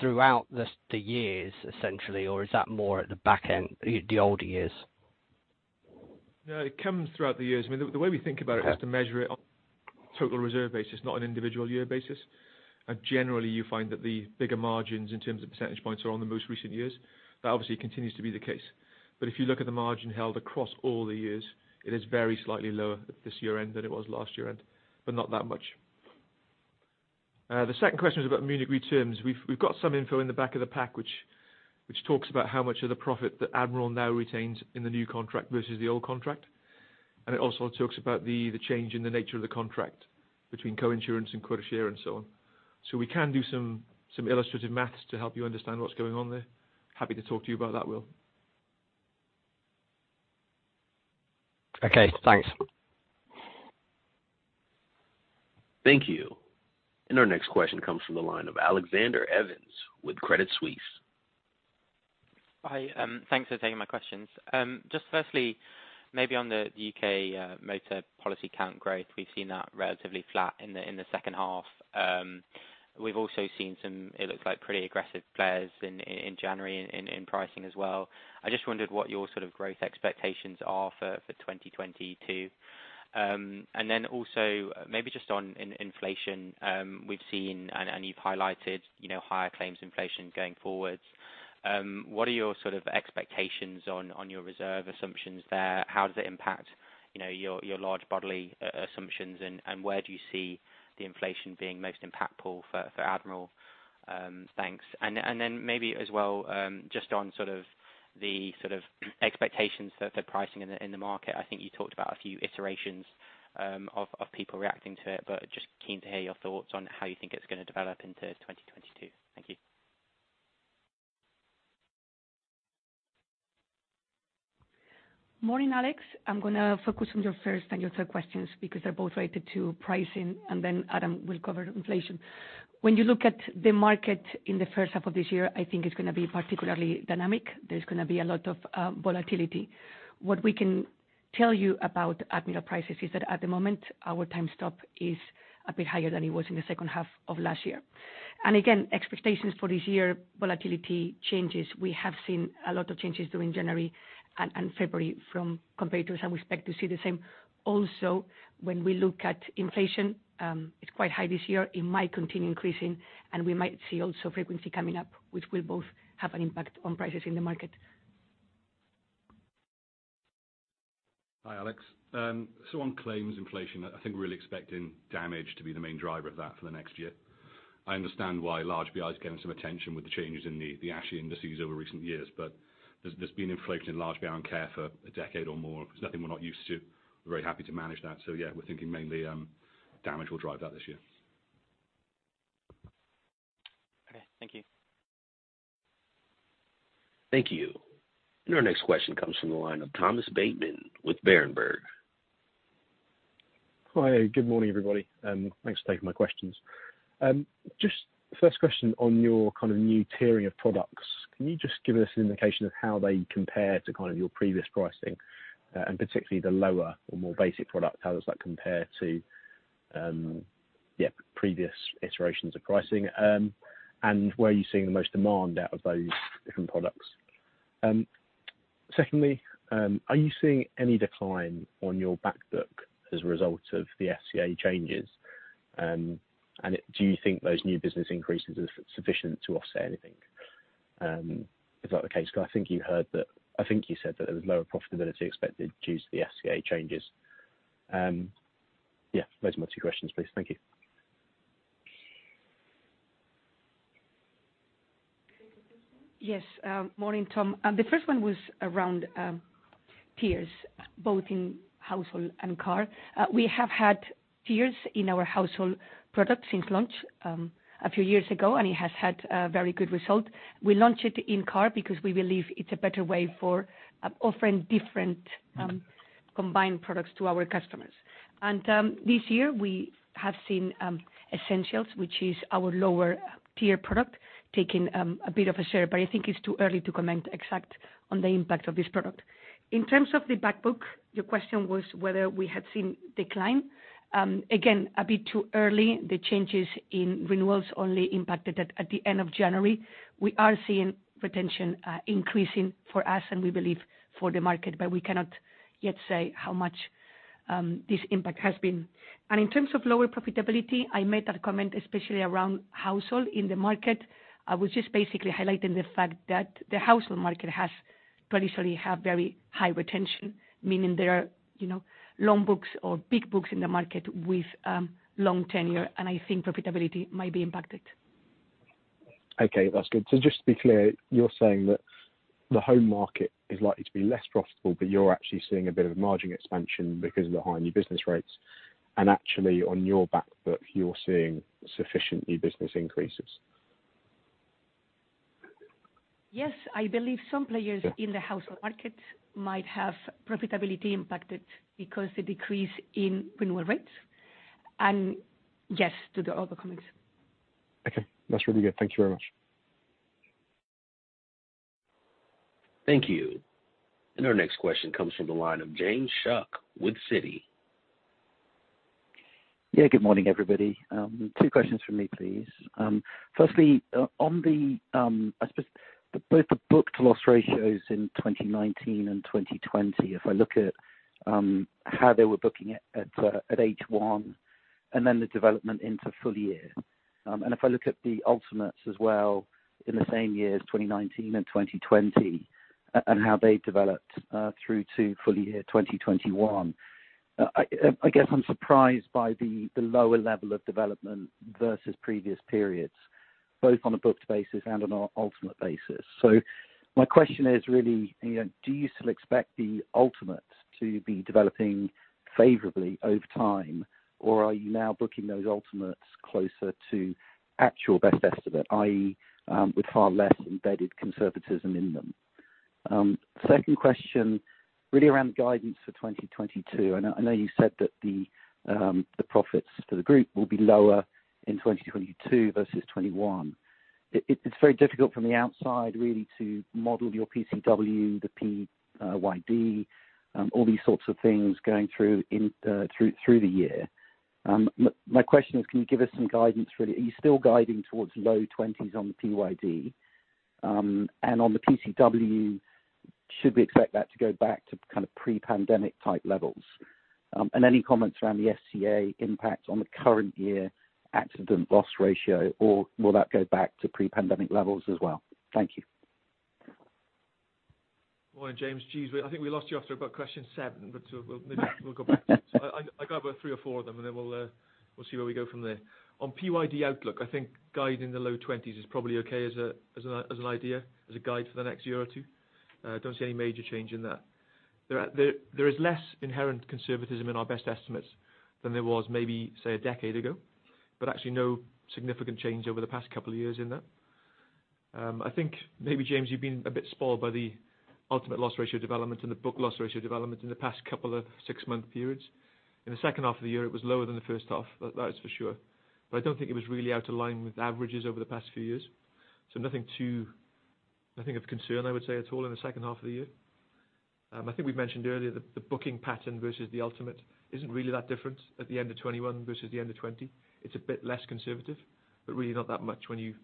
throughout the years essentially, or is that more at the back end, the older years? No, it comes throughout the years. I mean, the way we think about it is to measure it on. Total reserve basis, not an individual year basis. Generally, you find that the bigger margins in terms of percentage points are on the most recent years. That obviously continues to be the case. If you look at the margin held across all the years, it is very slightly lower this year-end than it was last year-end, but not that much. The second question is about Munich Re terms. We've got some info in the back of the pack, which talks about how much of the profit that Admiral now retains in the new contract versus the old contract. It also talks about the change in the nature of the contract between co-insurance and quota share and so on. We can do some illustrative math to help you understand what's going on there. Happy to talk to you about that, Will. Okay, thanks. Thank you. Our next question comes from the line of Alexander Evans with Credit Suisse. Hi, thanks for taking my questions. Just firstly, maybe on the U.K. motor policy count growth. We've seen that relatively flat in the second half. We've also seen some, it looks like pretty aggressive players in January in pricing as well. I just wondered what your sort of growth expectations are for 2022. Then also maybe just on inflation. We've seen and you've highlighted, you know, higher claims inflation going forwards. What are your sort of expectations on your reserve assumptions there? How does it impact, you know, your large BI assumptions? Where do you see the inflation being most impactful for Admiral? Thanks. Then maybe as well, just on sort of the expectations for the pricing in the market. I think you talked about a few iterations of people reacting to it, but just keen to hear your thoughts on how you think it's gonna develop into 2022. Thank you. Morning, Alex. I'm gonna focus on your first and your third questions because they're both related to pricing, and then Adam will cover inflation. When you look at the market in the first half of this year, I think it's gonna be particularly dynamic. There's gonna be a lot of volatility. What we can tell you about Admiral prices is that at the moment, our time stop is a bit higher than it was in the second half of last year. Expectations for this year, volatility changes. We have seen a lot of changes during January and February from competitors, and we expect to see the same. Also, when we look at inflation, it's quite high this year. It might continue increasing, and we might see also frequency coming up, which will both have an impact on prices in the market. Okay. Thank you. Thank you. Our next question comes from the line of Thomas Bateman with Berenberg. Hi. Good morning, everybody. Thanks for taking my questions. Just first question on your kind of new tiering of products. Can you just give us an indication of how they compare to kind of your previous pricing, and particularly the lower or more basic product, how does that compare to, yeah, previous iterations of pricing? Where are you seeing the most demand out of those different products? Secondly, are you seeing any decline on your back book as a result of the FCA changes? Do you think those new business increases are sufficient to offset anything? Is that the case? Because I think you said that there was lower profitability expected due to the FCA changes. Yeah, those are my two questions, please. Thank you. Yes. Morning, Tom. The first one was around tiers, both in household and car. We have had tiers in our household products since launch a few years ago, and it has had a very good result. We launched it in-car because we believe it's a better way for offering different combined products to our customers. This year, we have seen Essentials, which is our lower tier product, taking a bit of a share, but I think it's too early to comment exact on the impact of this product. In terms of the back book, your question was whether we had seen decline. Again, a bit too early. The changes in renewals only impacted it at the end of January. We are seeing retention increasing for us and we believe for the market, but we cannot yet say how much this impact has been. In terms of lower profitability, I made that comment, especially around household in the market. I was just basically highlighting the fact that the household market has traditionally have very high retention, meaning there are, you know, long books or big books in the market with long tenure, and I think profitability might be impacted. Okay. That's good. Just to be clear, you're saying that the home market is likely to be less profitable, but you're actually seeing a bit of margin expansion because of the high new business rates. Actually on your back book, you're seeing sufficient new business increases. Yes. I believe some players in the household market might have profitability impacted because the decrease in renewal rates. Yes to the other comments. Okay. That's really good. Thank you very much. Thank you. Our next question comes from the line of James Shuck with Citi. Yeah. Good morning, everybody. Two questions from me, please. Firstly, on the, I suppose the both the booked loss ratios in 2019 and 2020, if I look at how they were booking it at H1, and then the development into full year. And if I look at the ultimates as well, in the same years, 2019 and 2020, and how they've developed through to full year 2021. I guess I'm surprised by the lower level of development versus previous periods, both on a booked basis and on an ultimate basis. My question is really, you know, do you still expect the ultimate to be developing favorably over time? Or are you now booking those ultimates closer to actual best estimate, i.e., with far less embedded conservatism in them? Second question, really around guidance for 2022. I know you said that the profits for the group will be lower in 2022 versus 2021. It's very difficult from the outside really to model your PCW, the PYD, all these sorts of things going through in the year. My question is, can you give us some guidance really? Are you still guiding towards low 20s on the PYD? And on the PCW, should we expect that to go back to kind of pre-pandemic type levels? And any comments around the FCA impact on the current year accident loss ratio, or will that go back to pre-pandemic levels as well? Thank you. Well, James, geez, I think we lost you after about question 7, but we'll go back to it. I got about 3 or 4 of them, and then we'll see where we go from there. On PYD outlook, I think guiding the low 20s is probably okay as an idea, as a guide for the next year or two. Don't see any major change in that. There is less inherent conservatism in our best estimates than there was maybe, say, a decade ago, but actually no significant change over the past couple of years in that. I think maybe, James, you've been a bit spoiled by the ultimate loss ratio development and the book loss ratio development in the past couple of six-month periods. In the second half of the year, it was lower than the first half. That is for sure. I don't think it was really out of line with averages over the past few years. Nothing of concern, I would say, at all in the second half of the year. I think we mentioned earlier the booking pattern versus the ultimate isn't really that different at the end of 2021 versus the end of 2020. It's a bit less conservative, but really not that much when you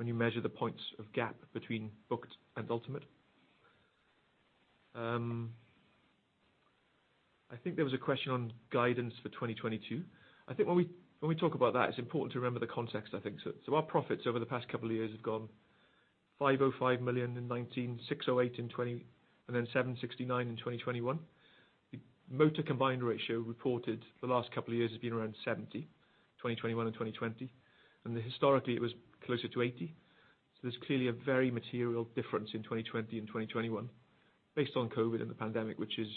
measure the points of gap between booked and ultimate. I think there was a question on guidance for 2022. I think when we talk about that, it's important to remember the context, I think. Our profits over the past couple of years have gone 505 million in 2019, 608 million in 2020, and then 769 million in 2021. Motor combined ratio reported the last couple of years has been around 70%, 2021 and 2020. Historically, it was closer to 80%. There's clearly a very material difference in 2020 and 2021 based on COVID and the pandemic, which is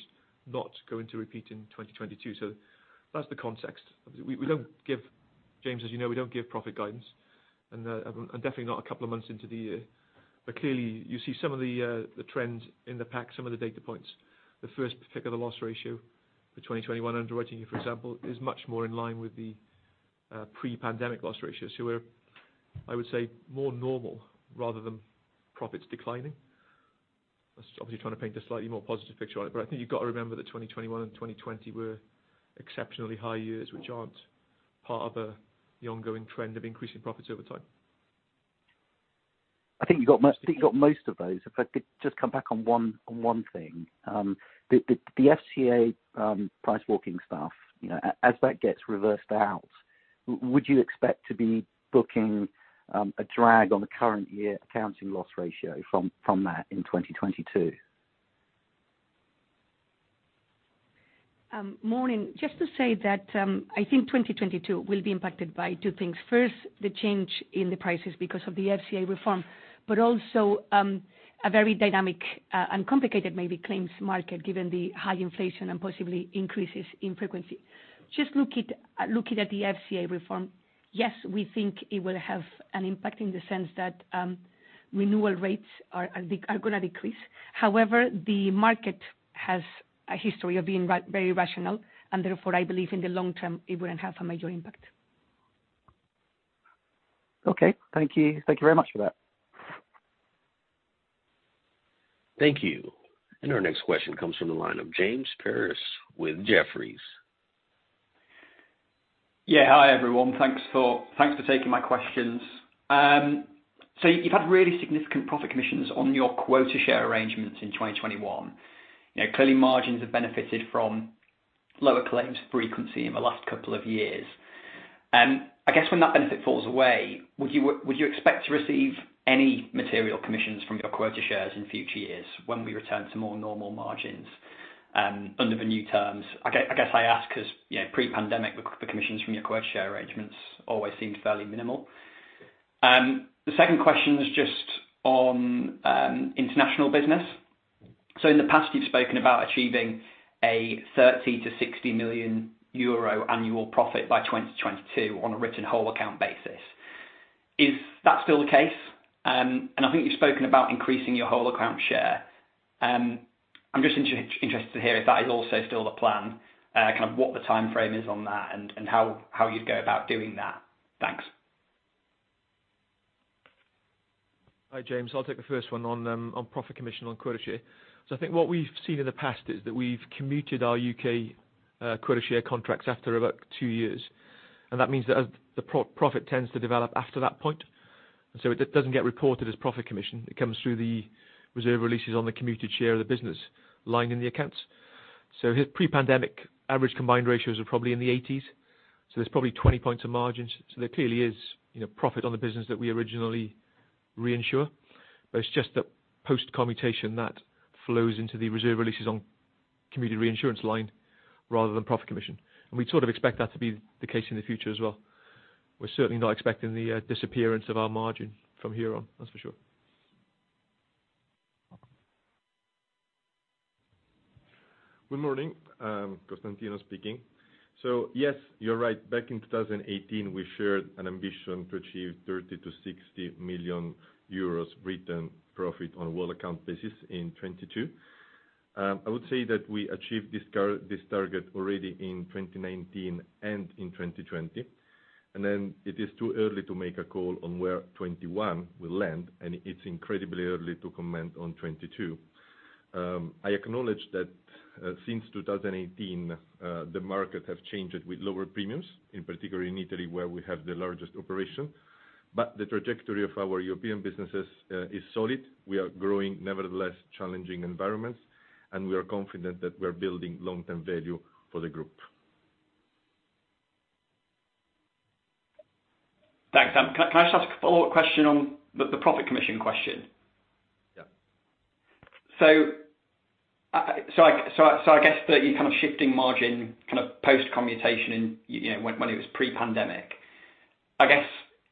not going to repeat in 2022. That's the context. James, as you know, we don't give profit guidance and definitely not a couple of months into the year. Clearly, you see some of the trends in the pack, some of the data points. The first-party loss ratio for 2021 underwriting, for example, is much more in line with the pre-pandemic loss ratio. We're, I would say, more normal rather than profits declining. That's obviously trying to paint a slightly more positive picture on it. I think you've got to remember that 2021 and 2020 were exceptionally high years, which aren't part of the ongoing trend of increasing profits over time. I think you got most of those. If I could just come back on one thing. The FCA price walking stuff, you know, as that gets reversed out, would you expect to be booking a drag on the current year accounting loss ratio from that in 2022? Morning. Just to say that, I think 2022 will be impacted by two things. First, the change in the prices because of the FCA reform, but also, a very dynamic and complicated maybe claims market given the high inflation and possibly increases in frequency. Looking at the FCA reform, yes, we think it will have an impact in the sense that, renewal rates are gonna decrease. However, the market has a history of being very rational, and therefore, I believe in the long term it wouldn't have a major impact. Okay. Thank you. Thank you very much for that. Thank you. Our next question comes from the line of James Pearse with Jefferies. Yeah. Hi, everyone. Thanks for taking my questions. So you've had really significant profit commissions on your quota share arrangements in 2021. You know, clearly margins have benefited from lower claims frequency in the last couple of years. I guess when that benefit falls away, would you expect to receive any material commissions from your quota shares in future years when we return to more normal margins, under the new terms? I guess I ask because, you know, pre-pandemic, the commissions from your quota share arrangements always seemed fairly minimal. The second question is just on international business. In the past, you've spoken about achieving a 30 million-60 million euro annual profit by 2022 on a written whole account basis. Is that still the case? I think you've spoken about increasing your whole account share. I'm just interested to hear if that is also still the plan, kind of what the timeframe is on that and how you'd go about doing that. Thanks. Hi, James. I'll take the first one on profit commission on quota share. I think what we've seen in the past is that we've commuted our U.K. quota share contracts after about 2 years. That means that as the profit tends to develop after that point. It doesn't get reported as profit commission. It comes through the reserve releases on the commuted share of the business line in the accounts. The pre-pandemic average combined ratios are probably in the 80s, so there's probably 20 points of margins. There clearly is, you know, profit on the business that we originally reinsure. It's just that post commutation that flows into the reserve releases on commuted reinsurance line rather than profit commission. We sort of expect that to be the case in the future as well. We're certainly not expecting the disappearance of our margin from here on. That's for sure. Good morning. Constantino speaking. Yes, you're right. Back in 2018, we shared an ambition to achieve 30 million-60 million euros written profit on a whole account basis in 2022. I would say that we achieved this target already in 2019 and in 2020, and then it is too early to make a call on where 2021 will land, and it's incredibly early to comment on 2022. I acknowledge that since 2018, the market has changed with lower premiums, in particular in Italy, where we have the largest operation. The trajectory of our European businesses is solid. We are growing, nevertheless challenging environments, and we are confident that we're building long-term value for the group. Thanks. Can I just ask a follow-up question on the profit commission question? Yeah. I guess that you're kind of shifting margin kind of post commutation and, you know, when it was pre-pandemic. I guess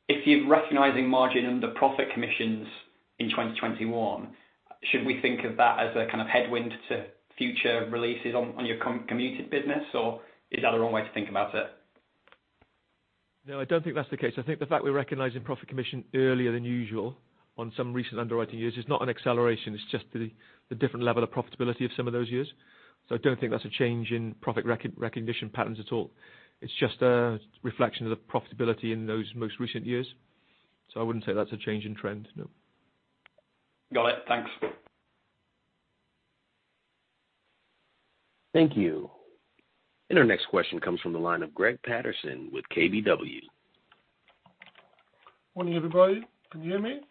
if you're recognizing margin and the profit commissions in 2021, should we think of that as a kind of headwind to future releases on your commuted business, or is that a wrong way to think about it? No, I don't think that's the case. I think the fact we're recognizing profit commission earlier than usual on some recent underwriting years is not an acceleration. It's just the different level of profitability of some of those years. I don't think that's a change in profit recognition patterns at all. It's just a reflection of the profitability in those most recent years. I wouldn't say that's a change in trend. No. Got it. Thanks. Thank you. Our next question comes from the line of Greg Patterson with KBW. Morning, everybody. Can you hear me?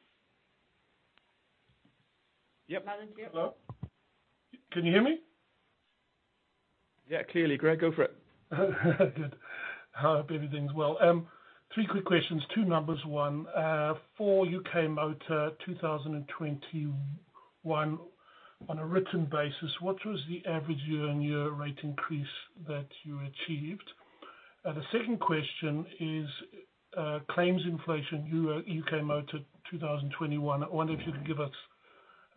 Yep. Louder, yeah. Hello? Can you hear me? Yeah, clearly, Greg. Go for it. Good. Hope everything's well. Three quick questions, two numbers, one. For UK Motor 2021, on a written basis, what was the average year-on-year rate increase that you achieved? The second question is, claims inflation UK Motor 2021. I wonder if you can give us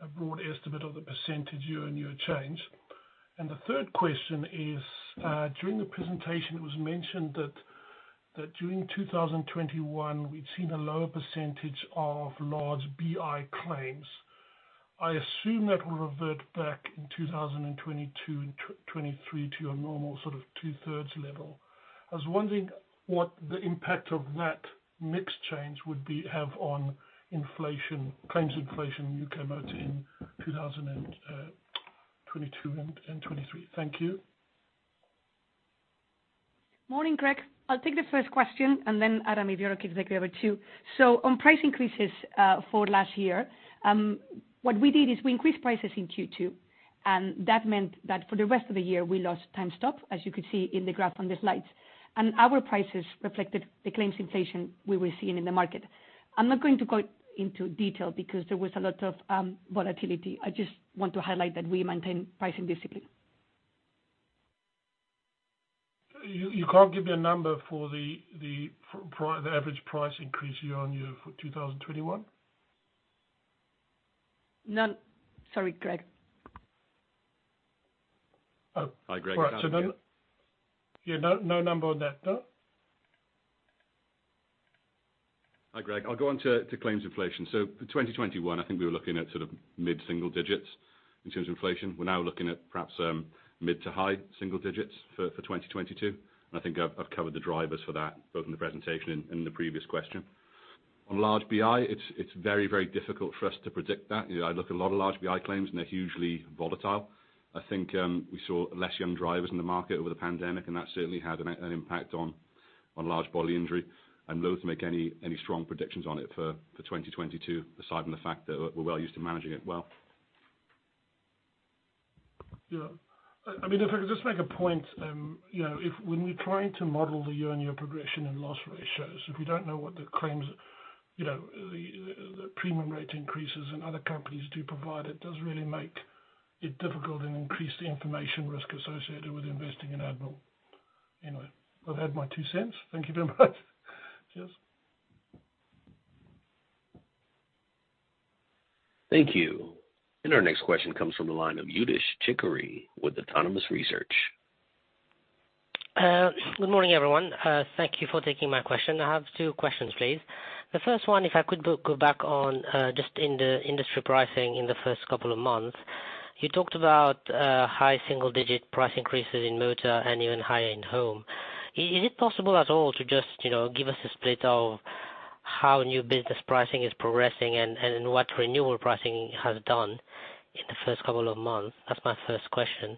a broad estimate of the percentage year-on-year change. During the presentation it was mentioned that during 2021 we'd seen a lower percentage of large BI claims. I assume that will revert back in 2022 and 2023 to your normal sort of two-thirds level. I was wondering what the impact of that mix change would have on inflation, claims inflation UK Motor in 2022 and 2023. Thank you. Morning, Greg. I'll take the first question, and then Adam, if you don't mind, take the other two. On price increases, for last year, what we did is we increased prices in Q2, and that meant that for the rest of the year we lost time stop, as you could see in the graph on the slides. Our prices reflected the claims inflation we were seeing in the market. I'm not going to go into detail because there was a lot of volatility. I just want to highlight that we maintain pricing discipline. You can't give me a number for the average price increase year-on-year for 2021? None. Sorry, Greg. Oh. Hi, Greg. It's Adam here. Yeah, no number on that, no? Hi, Greg. I'll go on to claims inflation. For 2021, I think we were looking at sort of mid-single digits in terms of inflation. We're now looking at perhaps mid to high single digits for 2022. I think I've covered the drivers for that both in the presentation and in the previous question. On large BI, it's very difficult for us to predict that. You know, I look at a lot of large BI claims, and they're hugely volatile. I think we saw less young drivers in the market over the pandemic, and that certainly had an impact on large bodily injury. I'm loath to make any strong predictions on it for 2022, aside from the fact that we're well used to managing it well. Yeah. I mean, if I could just make a point, you know, if when we're trying to model the year-on-year progression and loss ratios, if we don't know what the claims, you know, the premium rate increases and other companies do provide, it does really make it difficult and increase the information risk associated with investing in Admiral. Anyway, I've had my two cents. Thank you very much. Cheers. Thank you. Our next question comes from the line of Yudish Chicooree with Autonomous Research. Good morning, everyone. Thank you for taking my question. I have two questions, please. The first one, if I could go back on just in the industry pricing in the first couple of months. You talked about high single-digit price increases in motor and even higher in home. Is it possible at all to just, you know, give us a split of how new business pricing is progressing and what renewal pricing has done? In the first couple of months. That's my first question.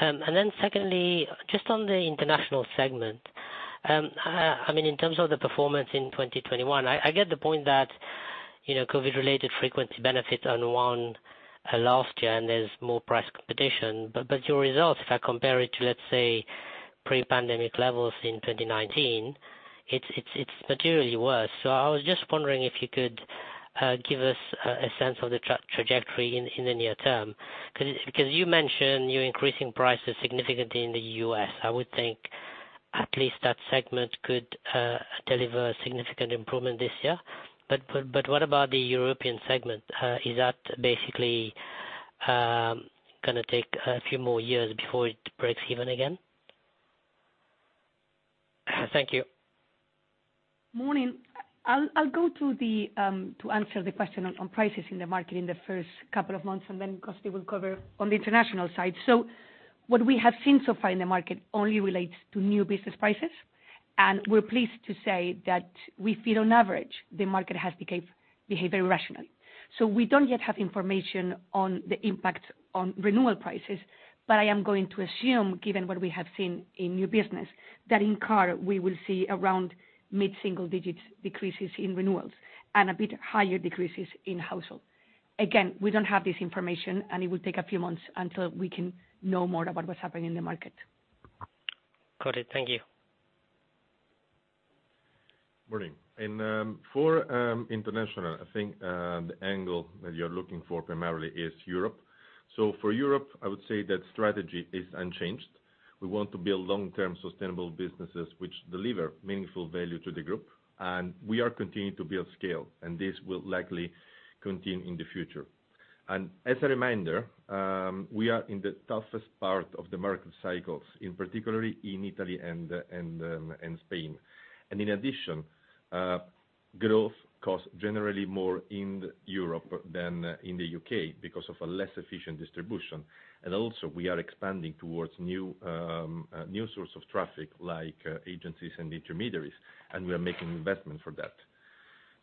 And then secondly, just on the international segment, I mean, in terms of the performance in 2021, I get the point that, you know, COVID related frequency benefits unwound last year and there's more price competition. Your results, if I compare it to, let's say, pre-pandemic levels in 2019, it's materially worse. So I was just wondering if you could give us a sense of the trajectory in the near term. Because you mentioned you're increasing prices significantly in the U.S., I would think at least that segment could deliver significant improvement this year. But what about the European segment? Is that basically gonna take a few more years before it breaks even again? Thank you. Morning. I'll go to answer the question on prices in the market in the first couple of months, and then Costi will cover on the international side. What we have seen so far in the market only relates to new business prices. We're pleased to say that we feel on average, the market has behaved very rationally. We don't yet have information on the impact on renewal prices, but I am going to assume given what we have seen in new business, that in car we will see around mid-single digits decreases in renewals and a bit higher decreases in household. Again, we don't have this information, and it will take a few months until we can know more about what's happening in the market. Got it. Thank you. Morning. For international, I think the angle that you're looking for primarily is Europe. For Europe, I would say that strategy is unchanged. We want to build long-term sustainable businesses which deliver meaningful value to the group, and we are continuing to build scale, and this will likely continue in the future. As a reminder, we are in the toughest part of the market cycles, in particular in Italy and Spain. In addition, growth costs generally more in Europe than in the U.K. because of a less efficient distribution. Also we are expanding towards new source of traffic like agencies and intermediaries, and we are making investments for that.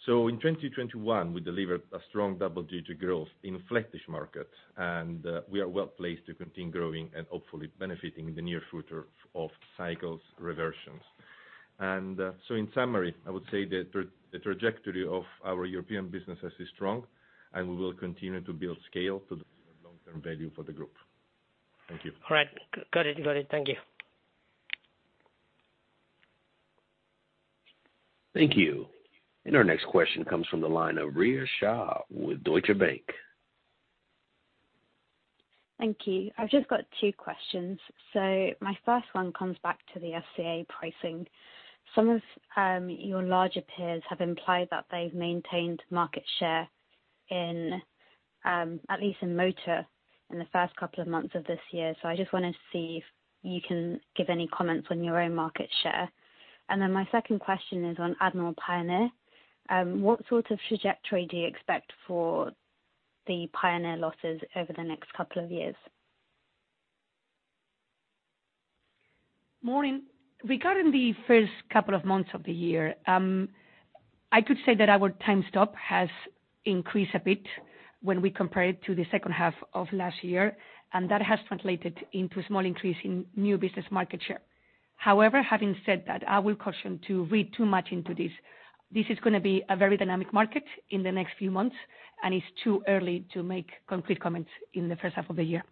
In 2021, we delivered a strong double digit growth in a flattish market, and we are well placed to continue growing and hopefully benefiting in the near future of cycles reversions. In summary, I would say the trajectory of our European businesses is strong, and we will continue to build scale to deliver long-term value for the group. Thank you. All right. Got it. Thank you. Thank you. Our next question comes from the line of Rhea Shah with Deutsche Bank. Thank you. I've just got two questions. My first one comes back to the FCA pricing. Some of your larger peers have implied that they've maintained market share in at least motor in the first couple of months of this year. I just wanna see if you can give any comments on your own market share. Then my second question is on Admiral Pioneer. What sort of trajectory do you expect for the Pioneer losses over the next couple of years? Morning. Regarding the first couple of months of the year, I could say that our time stop has increased a bit when we compare it to the second half of last year, and that has translated into a small increase in new business market share. However, having said that, I will caution to read too much into this. This is gonna be a very dynamic market in the next few months, and it's too early to make concrete comments in the first half of the year.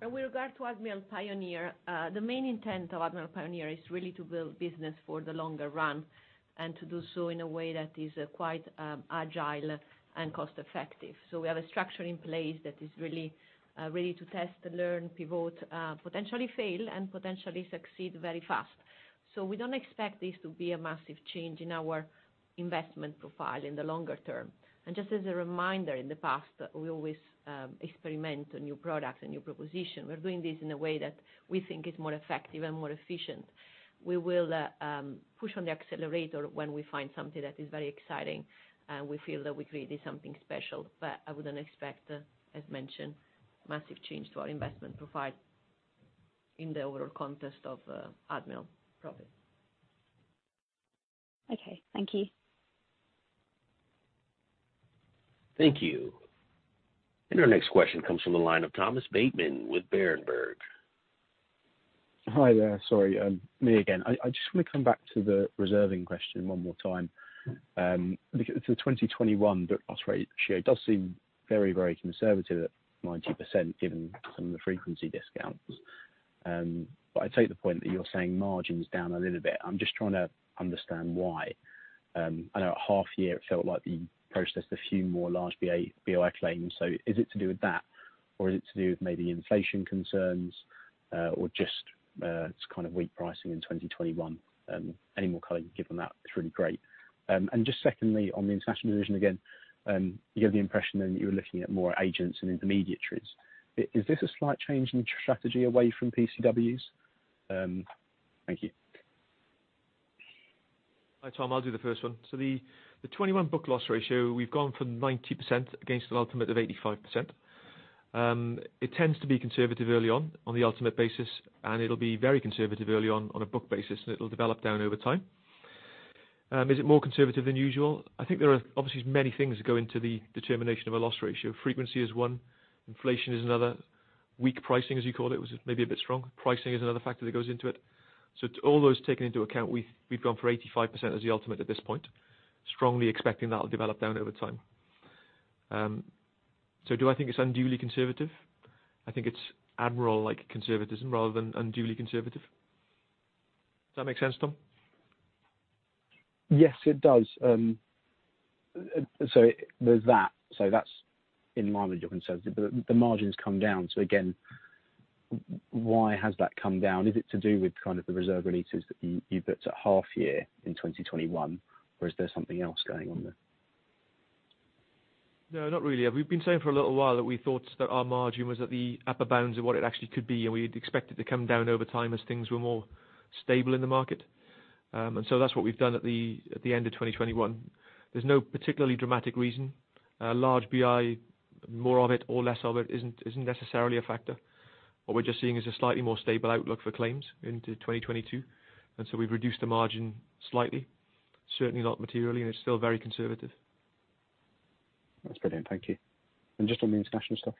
With regard to Admiral Pioneer, the main intent of Admiral Pioneer is really to build business for the longer run, and to do so in a way that is quite agile and cost effective. We have a structure in place that is really ready to test, learn, pivot, potentially fail and potentially succeed very fast. We don't expect this to be a massive change in our investment profile in the longer term. Just as a reminder, in the past, we always experiment on new products and new proposition. We're doing this in a way that we think is more effective and more efficient. We will push on the accelerator when we find something that is very exciting and we feel that we've created something special. I wouldn't expect, as mentioned, massive change to our investment profile in the overall context of Admiral profit. Okay. Thank you. Thank you. Our next question comes from the line of Thomas Bateman with Berenberg. Hi there. Sorry, me again. I just wanna come back to the reserving question one more time. The 2021 booked loss ratio does seem very, very conservative at 90% given some of the frequency discounts. But I take the point that you're saying margin's down a little bit. I'm just trying to understand why. I know at half year it felt like you processed a few more large BI claims. Is it to do with that or is it to do with maybe inflation concerns or just kind of weak pricing in 2021? Any more color you can give on that is really great. Just secondly, on the international division, again, you gave the impression then that you were looking at more agents and intermediaries. Is this a slight change in strategy away from PCWs? Thank you. Hi, Tom. I'll do the first one. The 2021 booked loss ratio, we've gone from 90% against an ultimate of 85%. It tends to be conservative early on on the ultimate basis, and it'll be very conservative early on on a book basis, and it'll develop down over time. Is it more conservative than usual? I think there are obviously many things that go into the determination of a loss ratio. Frequency is one, inflation is another. Weak pricing, as you called it, was maybe a bit strong. Pricing is another factor that goes into it. All those taken into account, we've gone for 85% as the ultimate at this point, strongly expecting that'll develop down over time. Do I think it's unduly conservative? I think it's Admiral-like conservatism rather than unduly conservative. Does that make sense, Tom? Yes, it does. There's that, so that's in line with your conservative. The margin's come down, so again, why has that come down? Is it to do with kind of the reserve releases that you booked at half year in 2021, or is there something else going on there? No, not really. We've been saying for a little while that we thought that our margin was at the upper bounds of what it actually could be, and we'd expect it to come down over time as things were more stable in the market. That's what we've done at the end of 2021. There's no particularly dramatic reason. A large BI, more of it or less of it isn't necessarily a factor. What we're just seeing is a slightly more stable outlook for claims into 2022, and so we've reduced the margin slightly, certainly not materially, and it's still very conservative. That's brilliant. Thank you. Just on the international stuff.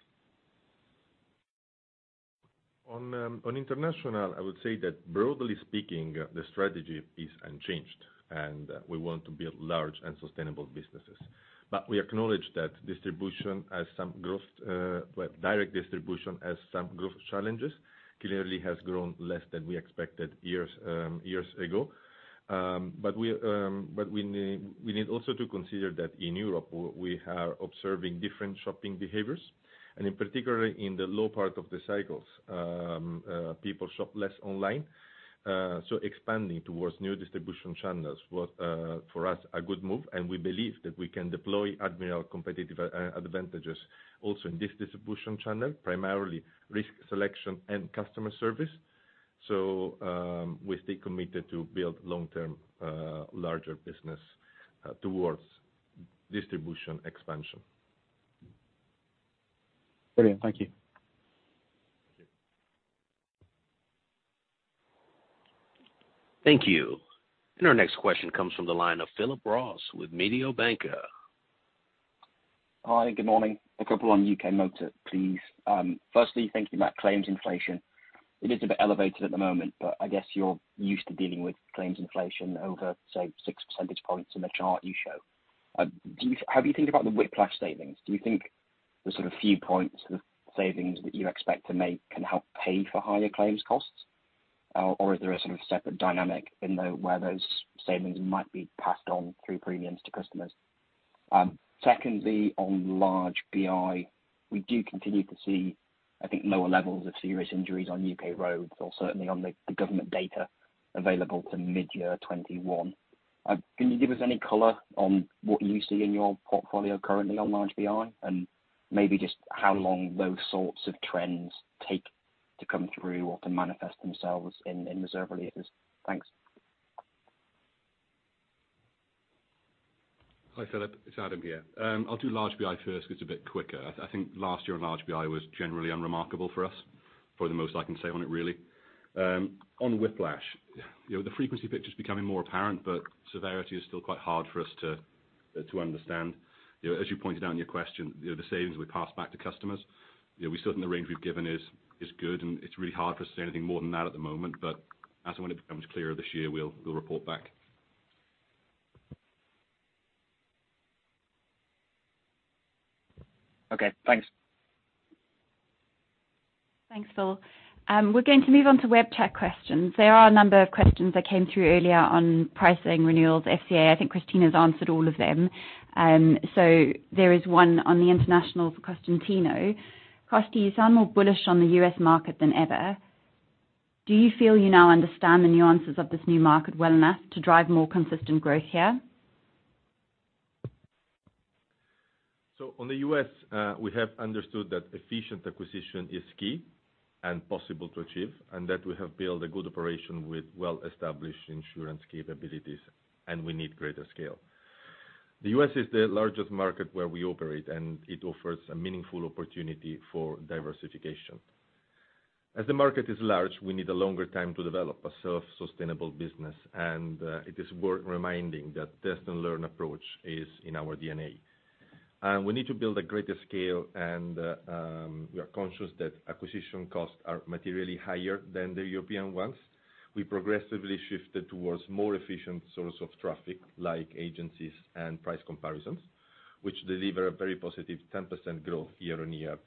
On international, I would say that broadly speaking, the strategy is unchanged, and we want to build large and sustainable businesses. We acknowledge that distribution has some growth, direct distribution has some growth challenges. Clearly has grown less than we expected years ago. We need also to consider that in Europe, we are observing different shopping behaviors, and in particular, in the low part of the cycles, people shop less online. Expanding towards new distribution channels was for us a good move, and we believe that we can deploy Admiral competitive advantages also in this distribution channel, primarily risk selection and customer service. We stay committed to build long-term larger business towards distribution expansion. Brilliant. Thank you. Thank you. Thank you. Our next question comes from the line of Philip Ross with Mediobanca. Hi, good morning. A couple on U.K. motor, please. Firstly, thank you Adam. Claims inflation. It is a bit elevated at the moment, but I guess you're used to dealing with claims inflation over, say, 6 percentage points in the chart you show. How do you think about the whiplash savings? Do you think the sort of few points of savings that you expect to make can help pay for higher claims costs? Or is there a sort of separate dynamic in where those savings might be passed on through premiums to customers? Secondly, on large BI, we do continue to see I think lower levels of serious injuries on U.K. roads or certainly on the government data available to mid-year 2021. Can you give us any color on what you see in your portfolio currently on large BI? Maybe just how long those sorts of trends take to come through or to manifest themselves in reserve releases? Thanks. Hi, Philip. It's Adam here. I'll do large BI first 'cause it's a bit quicker. I think last year on large BI was generally unremarkable for us. That's the most I can say on it really. On whiplash, you know, the frequency picture's becoming more apparent, but severity is still quite hard for us to understand. You know, as you pointed out in your question, you know, the savings will pass back to customers. You know, we're certain the range we've given is good, and it's really hard for us to say anything more than that at the moment. As and when it becomes clearer this year, we'll report back. Okay, thanks. Thanks, Phil. We're going to move on to web chat questions. There are a number of questions that came through earlier on pricing renewals, FCA. I think Cristina's answered all of them. There is one on the international for Costantino. Costi, you sound more bullish on the U.S. market than ever. Do you feel you now understand the nuances of this new market well enough to drive more consistent growth here? On the U.S., we have understood that efficient acquisition is key and possible to achieve, and that we have built a good operation with well-established insurance capabilities, and we need greater scale. The U.S. is the largest market where we operate, and it offers a meaningful opportunity for diversification. As the market is large, we need a longer time to develop a self-sustainable business, and it is worth reminding that test and learn approach is in our DNA. We need to build a greater scale and we are conscious that acquisition costs are materially higher than the European ones. We progressively shifted towards more efficient source of traffic like agencies and price comparisons, which deliver a very positive 10% growth year-on-year.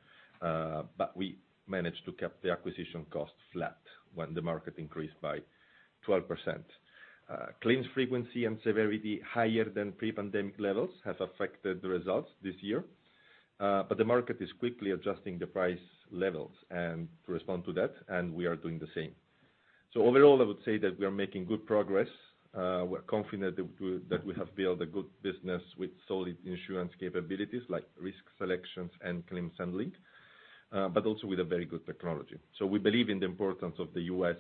But we managed to keep the acquisition costs flat when the market increased by 12%. Claims frequency and severity higher than pre-pandemic levels has affected the results this year. The market is quickly adjusting the price levels and to respond to that, and we are doing the same. Overall, I would say that we are making good progress. We're confident that we have built a good business with solid insurance capabilities like risk selections and claims handling, but also with a very good technology. We believe in the importance of the U.S.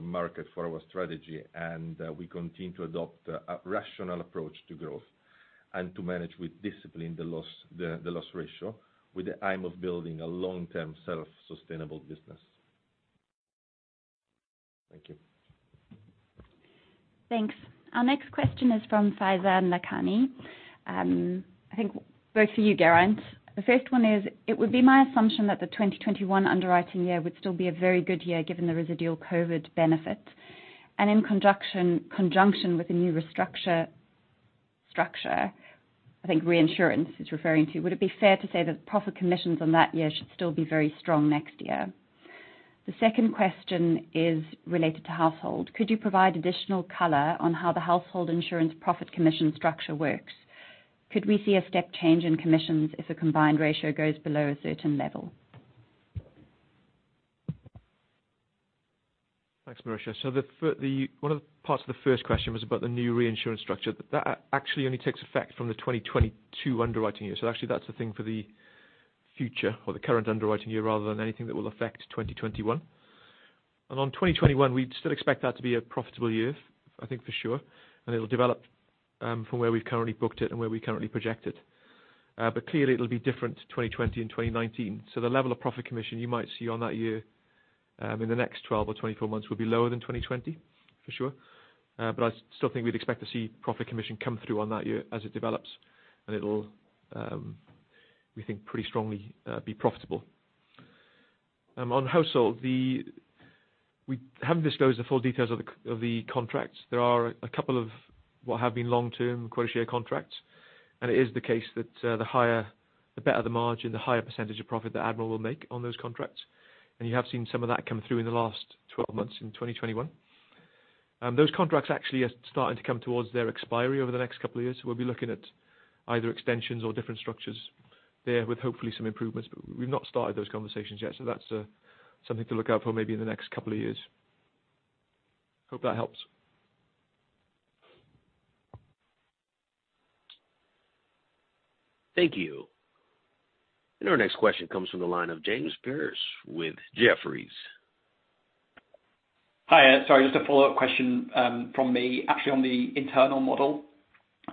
market for our strategy, and we continue to adopt a rational approach to growth. To manage with discipline the loss ratio with the aim of building a long-term self-sustainable business. Thank you. Thanks. Our next question is from Faizan Lakhani. I think both for you, Geraint. The first one is, it would be my assumption that the 2021 underwriting year would still be a very good year given the residual COVID benefits, and in conjunction with the new structure I think reinsurance is referring to. Would it be fair to say that profit commissions on that year should still be very strong next year? The second question is related to household. Could you provide additional color on how the household insurance profit commission structure works? Could we see a step change in commissions if a combined ratio goes below a certain level? Thanks, Marisja. The one of the parts of the first question was about the new reinsurance structure. That actually only takes effect from the 2022 underwriting year. Actually that's the thing for the future or the current underwriting year rather than anything that will affect 2021. On 2021, we'd still expect that to be a profitable year, I think for sure. It'll develop from where we've currently booked it and where we currently project it. Clearly it'll be different to 2020 and 2019. The level of profit commission you might see on that year in the next 12 or 24 months will be lower than 2020, for sure. I still think we'd expect to see profit commission come through on that year as it develops. It'll, we think pretty strongly, be profitable. On household, we haven't disclosed the full details of the contracts. There are a couple of what have been long-term quota share contracts, and it is the case that the higher, the better the margin, the higher percentage of profit that Admiral will make on those contracts. You have seen some of that come through in the last 12 months in 2021. Those contracts actually are starting to come towards their expiry over the next couple of years. We'll be looking at either extensions or different structures there with hopefully some improvements. We've not started those conversations yet. That's something to look out for maybe in the next couple of years. Hope that helps. Thank you. Our next question comes from the line of James Pearse with Jefferies. Hi. Sorry, just a follow-up question, from me, actually on the internal model.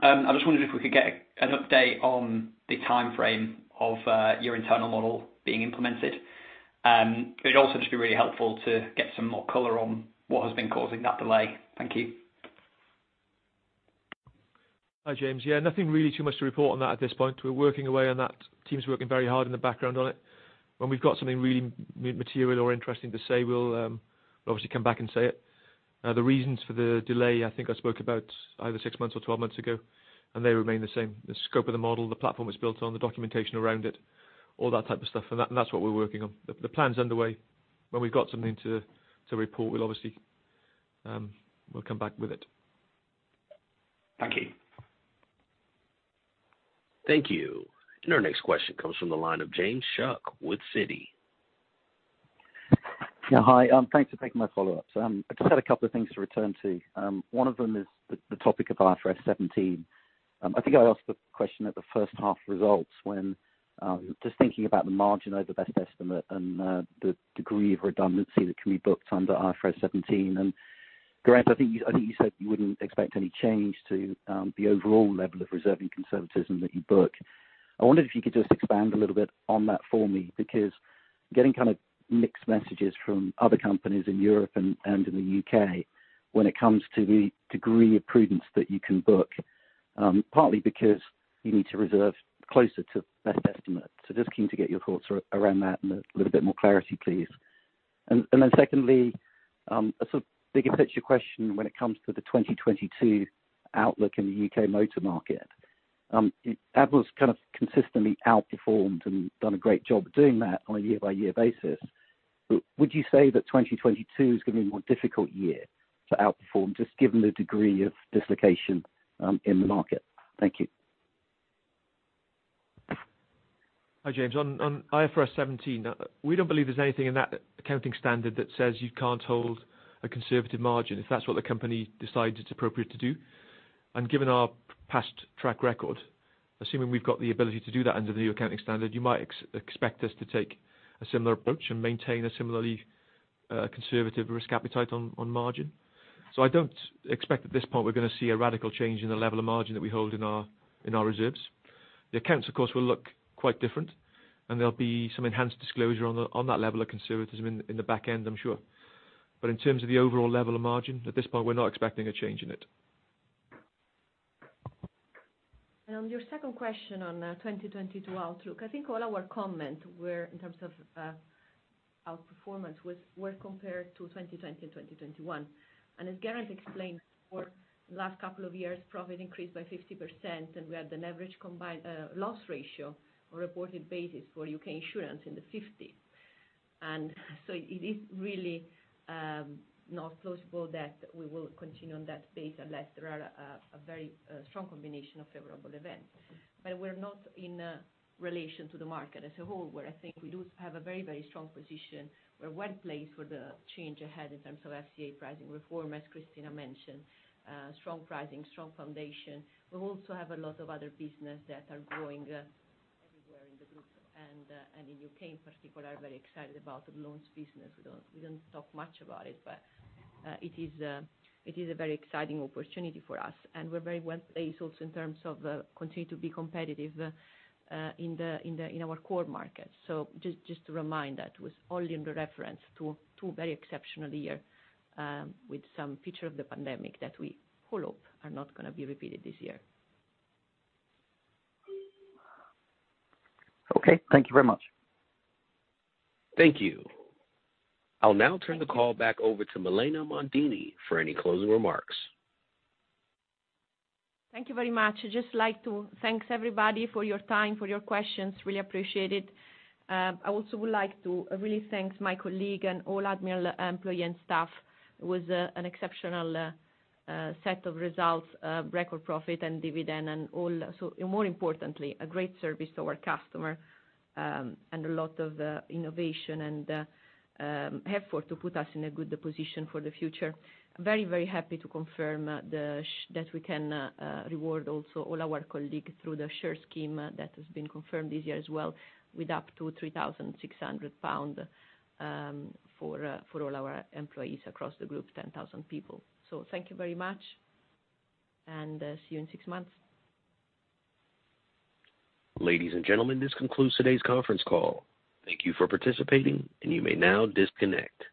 I just wondered if we could get an update on the timeframe of your internal model being implemented. It would also just be really helpful to get some more color on what has been causing that delay. Thank you. Hi, James. Yeah, nothing really too much to report on that at this point. We're working away on that. Team's working very hard in the background on it. When we've got something really material or interesting to say, we'll obviously come back and say it. The reasons for the delay, I think I spoke about either six months or twelve months ago, and they remain the same. The scope of the model, the platform it's built on, the documentation around it, all that type of stuff. That's what we're working on. The plan's underway. When we've got something to report, we'll obviously come back with it. Thank you. Thank you. Our next question comes from the line of James Shuck with Citi. Yeah. Hi. Thanks for taking my follow-ups. I just had a couple of things to return to. One of them is the topic of IFRS 17. I think I asked the question at the first half results when just thinking about the margin over best estimate and the degree of redundancy that can be booked under IFRS 17. Geraint, I think you said you wouldn't expect any change to the overall level of reserving conservatism that you book. I wondered if you could just expand a little bit on that for me, because getting kind of mixed messages from other companies in Europe and in the UK when it comes to the degree of prudence that you can book, partly because you need to reserve closer to best estimate. Just keen to get your thoughts around that and a little bit more clarity, please. Secondly, a sort of bigger picture question when it comes to the 2022 outlook in the U.K. motor market. Admiral's kind of consistently outperformed and done a great job of doing that on a year-by-year basis. Would you say that 2022 is gonna be a more difficult year to outperform, just given the degree of dislocation in the market? Thank you. Hi, James. On IFRS 17, we don't believe there's anything in that accounting standard that says you can't hold a conservative margin if that's what the company decides it's appropriate to do. Given our past track record, assuming we've got the ability to do that under the new accounting standard, you might expect us to take a similar approach and maintain a similarly conservative risk appetite on margin. I don't expect at this point we're gonna see a radical change in the level of margin that we hold in our reserves. The accounts, of course, will look quite different, and there'll be some enhanced disclosure on that level of conservatism in the back end, I'm sure. In terms of the overall level of margin, at this point, we're not expecting a change in it. On your second question on 2022 outlook, I think all our comments were in terms of outperformance were compared to 2020 and 2021. As Geraint explained, for last couple of years, profit increased by 50%, and we had an average combined loss ratio on a reported basis for UK Insurance in the 50s. It is really not plausible that we will continue on that pace unless there are a very strong combination of favorable events. But we're not in relation to the market as a whole, where I think we do have a very, very strong position. We're well placed for the change ahead in terms of FCA pricing reform, as Cristina mentioned, strong pricing, strong foundation. We also have a lot of other business that are growing everywhere in the group and in U.K. in particular are very excited about the loans business. We don't talk much about it, but it is a very exciting opportunity for us, and we're very well placed also in terms of continue to be competitive in our core markets. Just to remind that it was only in reference to a very exceptional year with some feature of the pandemic that we all hope are not gonna be repeated this year. Okay. Thank you very much. Thank you. I'll now turn the call back over to Milena Mondini for any closing remarks. Thank you very much. I'd just like to thank everybody for your time, for your questions. Really appreciate it. I also would like to really thank my colleague and all Admiral employees and staff. It was an exceptional set of results, record profit and dividend and all. More importantly, a great service to our customer and a lot of innovation and effort to put us in a good position for the future. Very happy to confirm that we can reward also all our colleagues through the share scheme that has been confirmed this year as well, with up to 3,600 pounds for all our employees across the group, 10,000 people. Thank you very much and see you in six months. Ladies and gentlemen, this concludes today's conference call. Thank you for participating, and you may now disconnect.